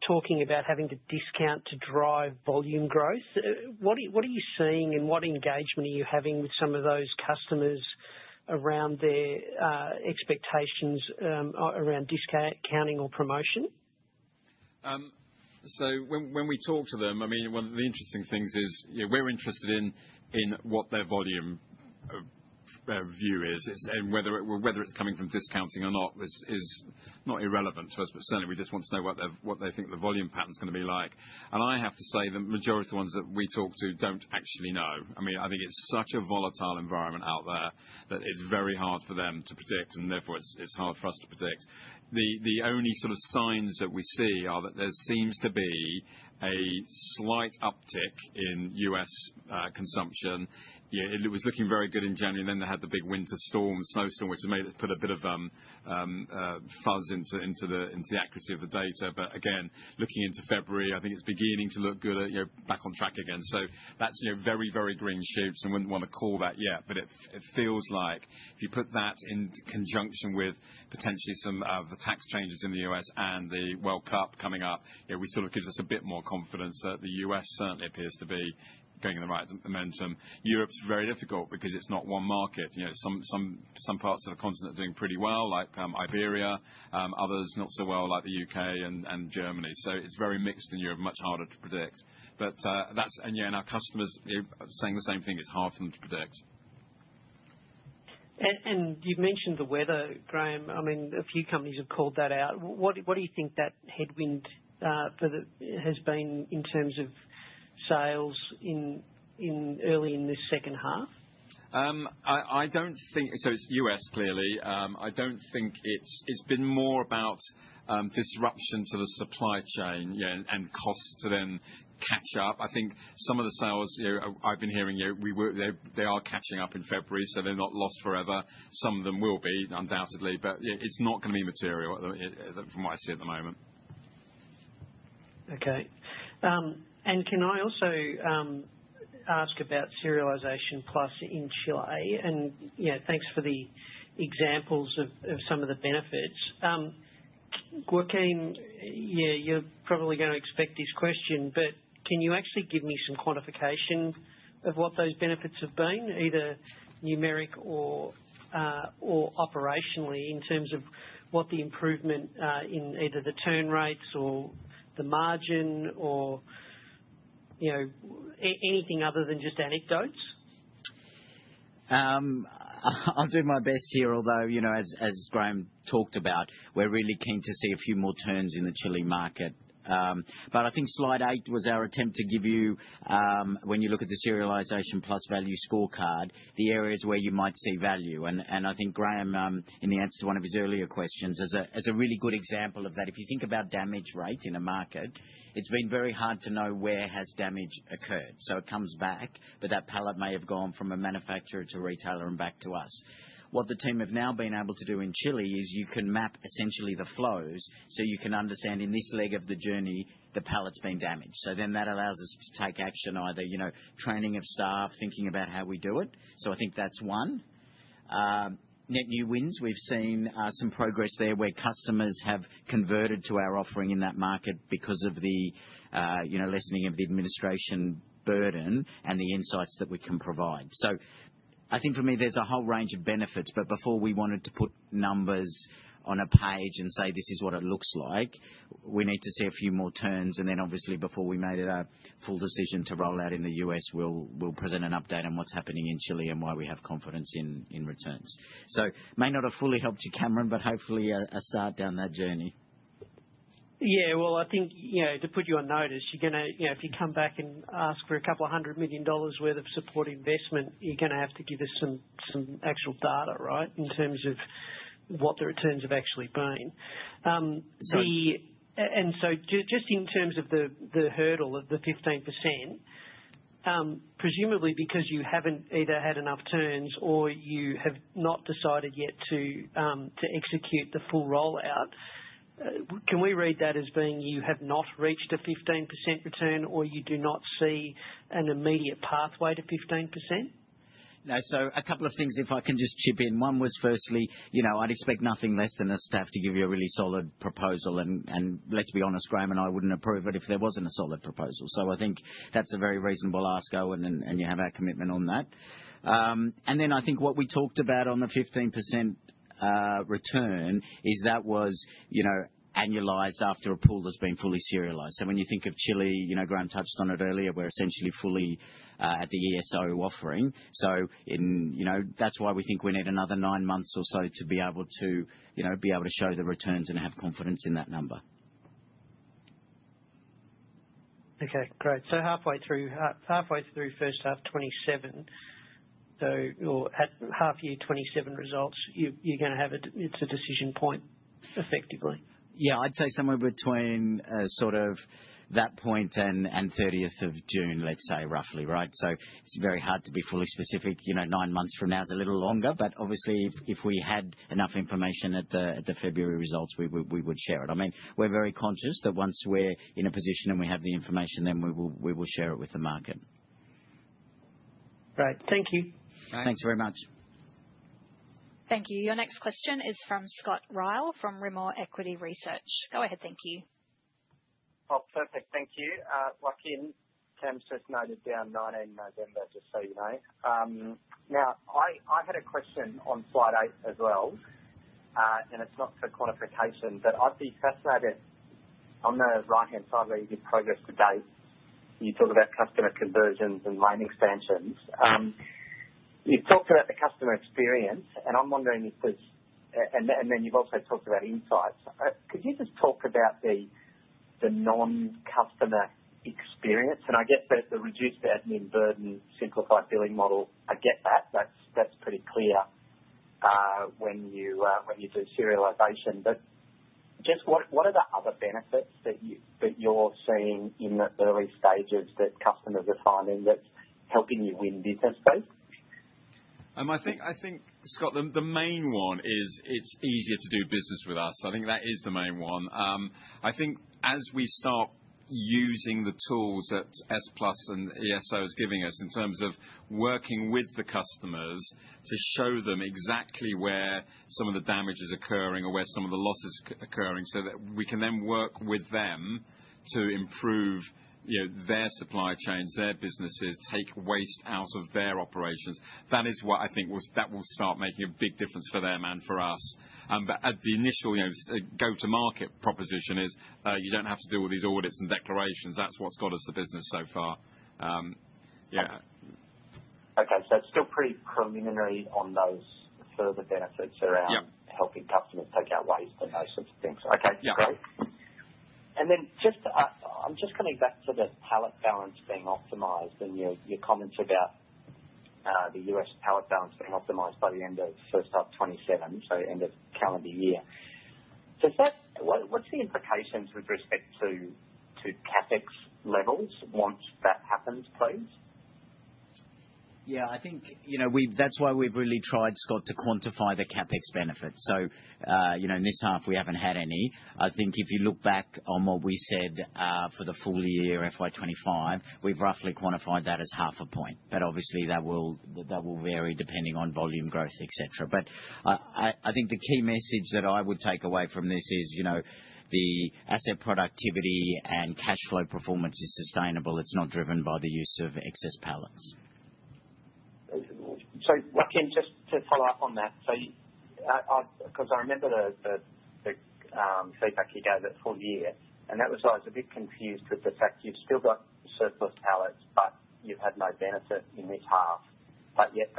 talking about having to discount to drive volume growth. What are you seeing and what engagement are you having with some of those customers around their expectations around discounting or promotion? So when we talk to them, I mean, one of the interesting things is, you know, we're interested in what their volume, their view is, and whether it's coming from discounting or not is not irrelevant to us, but certainly we just want to know what they think the volume pattern's gonna be like. And I have to say, the majority of the ones that we talk to don't actually know. I mean, I think it's such a volatile environment out there that it's very hard for them to predict, and therefore, it's hard for us to predict. The only sort of signs that we see are that there seems to be a slight uptick in U.S. consumption. Yeah, it was looking very good in January, and then they had the big winter storm, snowstorm, which has made it put a bit of fuzz into the accuracy of the data. But again, looking into February, I think it's beginning to look good, you know, back on track again. So that's, you know, very, very green shoots and wouldn't wanna call that yet. But it feels like if you put that in conjunction with potentially some of the tax changes in the U.S. and the World Cup coming up, it would sort of gives us a bit more confidence that the U.S. certainly appears to be getting the right momentum. Europe's very difficult because it's not one market. You know, some parts of the continent are doing pretty well, like Iberia, others not so well, like the U.K. and Germany. So it's very mixed in Europe, much harder to predict. But that's – and yeah, and our customers, you, are saying the same thing, it's hard for them to predict. And you've mentioned the weather, Graham. I mean, a few companies have called that out. What do you think that headwind for the has been in terms of sales in early this second half? I don't think, so it's U.S., clearly. I don't think it's been more about disruption to the supply chain, yeah, and costs to then catch up. I think some of the sales, you know, I've been hearing, you know, they are catching up in February, so they're not lost forever. Some of them will be, undoubtedly, but, yeah, it's not gonna be material, from what I see at the moment. Okay. And can I also ask about Serialisation Plus in Chile? And, you know, thanks for the examples of some of the benefits. Joaquin, yeah, you're probably gonna expect this question, but can you actually give me some quantification of what those benefits have been, either numeric or operationally, in terms of what the improvement in either the turn rates or the margin or, you know, anything other than just anecdotes? I'll do my best here. Although, you know, as Graham talked about, we're really keen to see a few more turns in the Chile market. But I think slide eight was our attempt to give you, when you look at the Serialisation Plus value scorecard, the areas where you might see value. And I think Graham, in the answer to one of his earlier questions, is a really good example of that. If you think about damage rate in a market, it's been very hard to know where has damage occurred. So it comes back, but that pallet may have gone from a manufacturer to retailer and back to us. What the team have now been able to do in Chile is you can map essentially the flows, so you can understand in this leg of the journey, the pallet's been damaged. So then that allows us to take action, either, you know, training of staff, thinking about how we do it. So I think that's one. Net new wins, we've seen some progress there where customers have converted to our offering in that market because of the, you know, lessening of the administration burden and the insights that we can provide. So I think for me, there's a whole range of benefits, but before we wanted to put numbers on a page and say, "This is what it looks like," we need to see a few more turns, and then obviously, before we made a full decision to roll out in the U.S., we'll present an update on what's happening in Chile and why we have confidence in returns. So may not have fully helped you, Cameron, but hopefully a start down that journey. Yeah, well, I think, you know, to put you on notice, you're gonna, you know, if you come back and ask for $200 million worth of support investment, you're gonna have to give us some actual data, right? In terms of what the returns have actually been. Right. So just in terms of the hurdle of the 15%, presumably because you haven't either had enough turns or you have not decided yet to execute the full rollout, can we read that as being you have not reached a 15% return, or you do not see an immediate pathway to 15%? No, so a couple of things, if I can just chip in. One was, firstly, you know, I'd expect nothing less than the staff to give you a really solid proposal, and, and let's be honest, Graham, and I wouldn't approve it if there wasn't a solid proposal. So I think that's a very reasonable ask, Owen, and, and you have our commitment on that. And then I think what we talked about on the 15%, return is that was, you know, annualized after a pool that's been fully serialized. So when you think of Chile, you know, Graham touched on it earlier, we're essentially fully at the ESO offering. So you know, that's why we think we need another nine months or so to be able to, you know, be able to show the returns and have confidence in that number. Okay, great. So halfway through first half 2027, or at half year 2027 results, you're gonna have a decision point, effectively. Yeah. I'd say somewhere between sort of that point and 30th of June, let's say, roughly, right? So it's very hard to be fully specific. You know, nine months from now is a little longer, but obviously if we had enough information at the February results, we would share it. I mean, we're very conscious that once we're in a position and we have the information, then we will share it with the market. Great. Thank you. Thanks very much. Thank you. Your next question is from Scott Ryall, from Rimor Equity Research. Go ahead, thank you. Oh, perfect. Thank you. Joaquin, Tim just noted down nineteen November, just so you know. Now, I had a question on slide eight as well, and it's not for quantification, but I'd be fascinated. On the right-hand side, where you give progress to date, you talk about customer conversions and line expansions. You've talked about the customer experience, and I'm wondering if there's, and then you've also talked about insights. Could you just talk about the non-customer experience? And I get that the reduced admin burden, simplified billing model, I get that. That's pretty clear, when you do Serialisation. But just what are the other benefits that you're seeing in the early stages, that customers are finding that's helping you win business, please? I think, Scott, the main one is it's easier to do business with us. I think that is the main one. I think as we start using the tools that S+ and ESO is giving us, in terms of working with the customers to show them exactly where some of the damage is occurring or where some of the loss is occurring, so that we can then work with them to improve, you know, their supply chains, their businesses, take waste out of their operations. That is what I think will start making a big difference for them and for us. But at the initial, you know, go to market proposition is, you don't have to deal with these audits and declarations. That's what's got us the business so far. Yeah. Okay, so it's still pretty preliminary on those further benefits around- Yeah. Helping customers take out waste and those sorts of things. Yeah. Okay, great. And then just, I'm just coming back to the pallet balance being optimized and your, your comments about, the U.S. pallet balance being optimized by the end of first half 2027, so end of calendar year. Does that? What, what's the implications with respect to, to CapEx levels once that happens, please? Yeah, I think, you know, we've, that's why we've really tried, Scott, to quantify the CapEx benefit. So, you know, in this half, we haven't had any. I think if you look back on what we said for the full year, FY 2025, we've roughly quantified that as half a point, but obviously that will vary depending on volume growth, et cetera. But I think the key message that I would take away from this is, you know, the asset productivity and cash flow performance is sustainable. It's not driven by the use of excess pallets. So, Joaquin, just to follow up on that. So I. Because I remember the feedback you gave that full year, and that was, I was a bit confused with the fact you've still got surplus pallets, but you've had no benefit in this half. But yet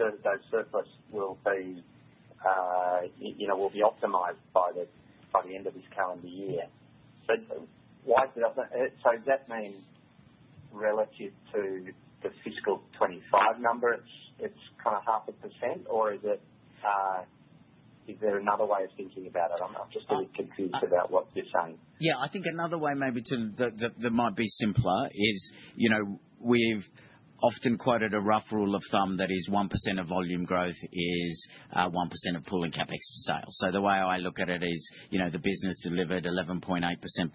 those surplus will be, you know, will be optimized by the end of this calendar year. So why is it up? So does that mean relative to the fiscal 2025 number, it's kind of 0.5%, or is there another way of thinking about it? I'm just a bit confused about what you're saying. Yeah, I think another way, maybe, that might be simpler is, you know, we've often quoted a rough rule of thumb that is 1% of volume growth is 1% of pool and CapEx to sales. So the way I look at it is, you know, the business delivered 11.8%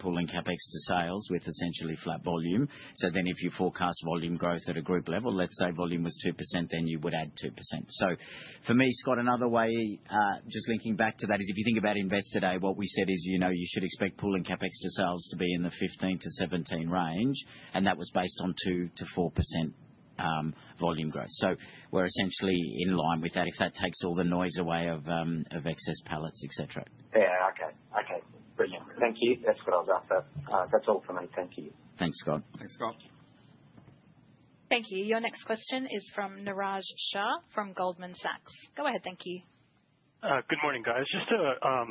pool and CapEx to sales, with essentially flat volume. So then if you forecast volume growth at a group level, let's say volume was 2%, then you would add 2%. So for me, Scott, another way, just linking back to that, is if you think about Investor Day, what we said is, you know, you should expect pool and CapEx to sales to be in the 15-17 range, and that was based on 2%-4% volume growth. So we're essentially in line with that. If that takes all the noise away of excess pallets, etc. Yeah. Okay. Okay, brilliant. Yeah. Thank you. That's what I was after. That's all for me. Thank you. Thanks, Scott. Thanks, Scott. Thank you. Your next question is from Niraj Shah, from Goldman Sachs. Go ahead. Thank you. Good morning, guys. Just to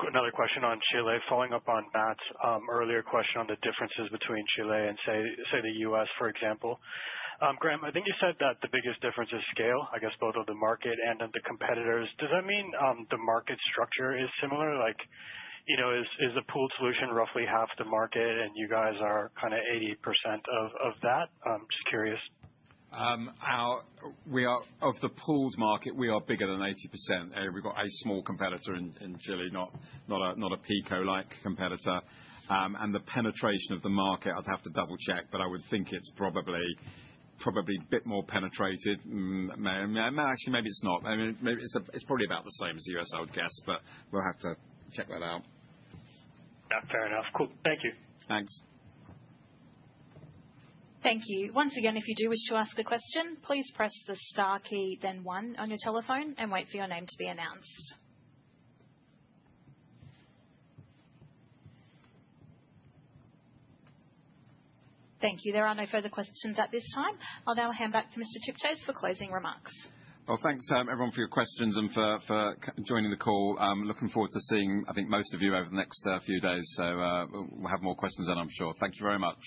another question on Chile, following up on Matt's earlier question on the differences between Chile and say, the U.S., for example. Graham, I think you said that the biggest difference is scale, I guess, both of the market and of the competitors. Does that mean the market structure is similar? Like, you know, is the pooled solution roughly half the market and you guys are kind of 80% of that? I'm just curious. We are of the pools market, we are bigger than 80%. We've got a small competitor in Chile, not a PECO-like competitor. And the penetration of the market, I'd have to double-check, but I would think it's probably a bit more penetrated. Maybe actually, maybe it's not. I mean, maybe it's probably about the same as the U.S., I would guess, but we'll have to check that out. Yeah, fair enough. Cool. Thank you. Thanks. Thank you. Once again, if you do wish to ask a question, please press the star key, then one on your telephone and wait for your name to be announced. Thank you. There are no further questions at this time. I'll now hand back to Mr. Chipchase for closing remarks. Well, thanks, everyone, for your questions and for joining the call. I'm looking forward to seeing, I think, most of you over the next few days. So, we'll have more questions then, I'm sure. Thank you very much.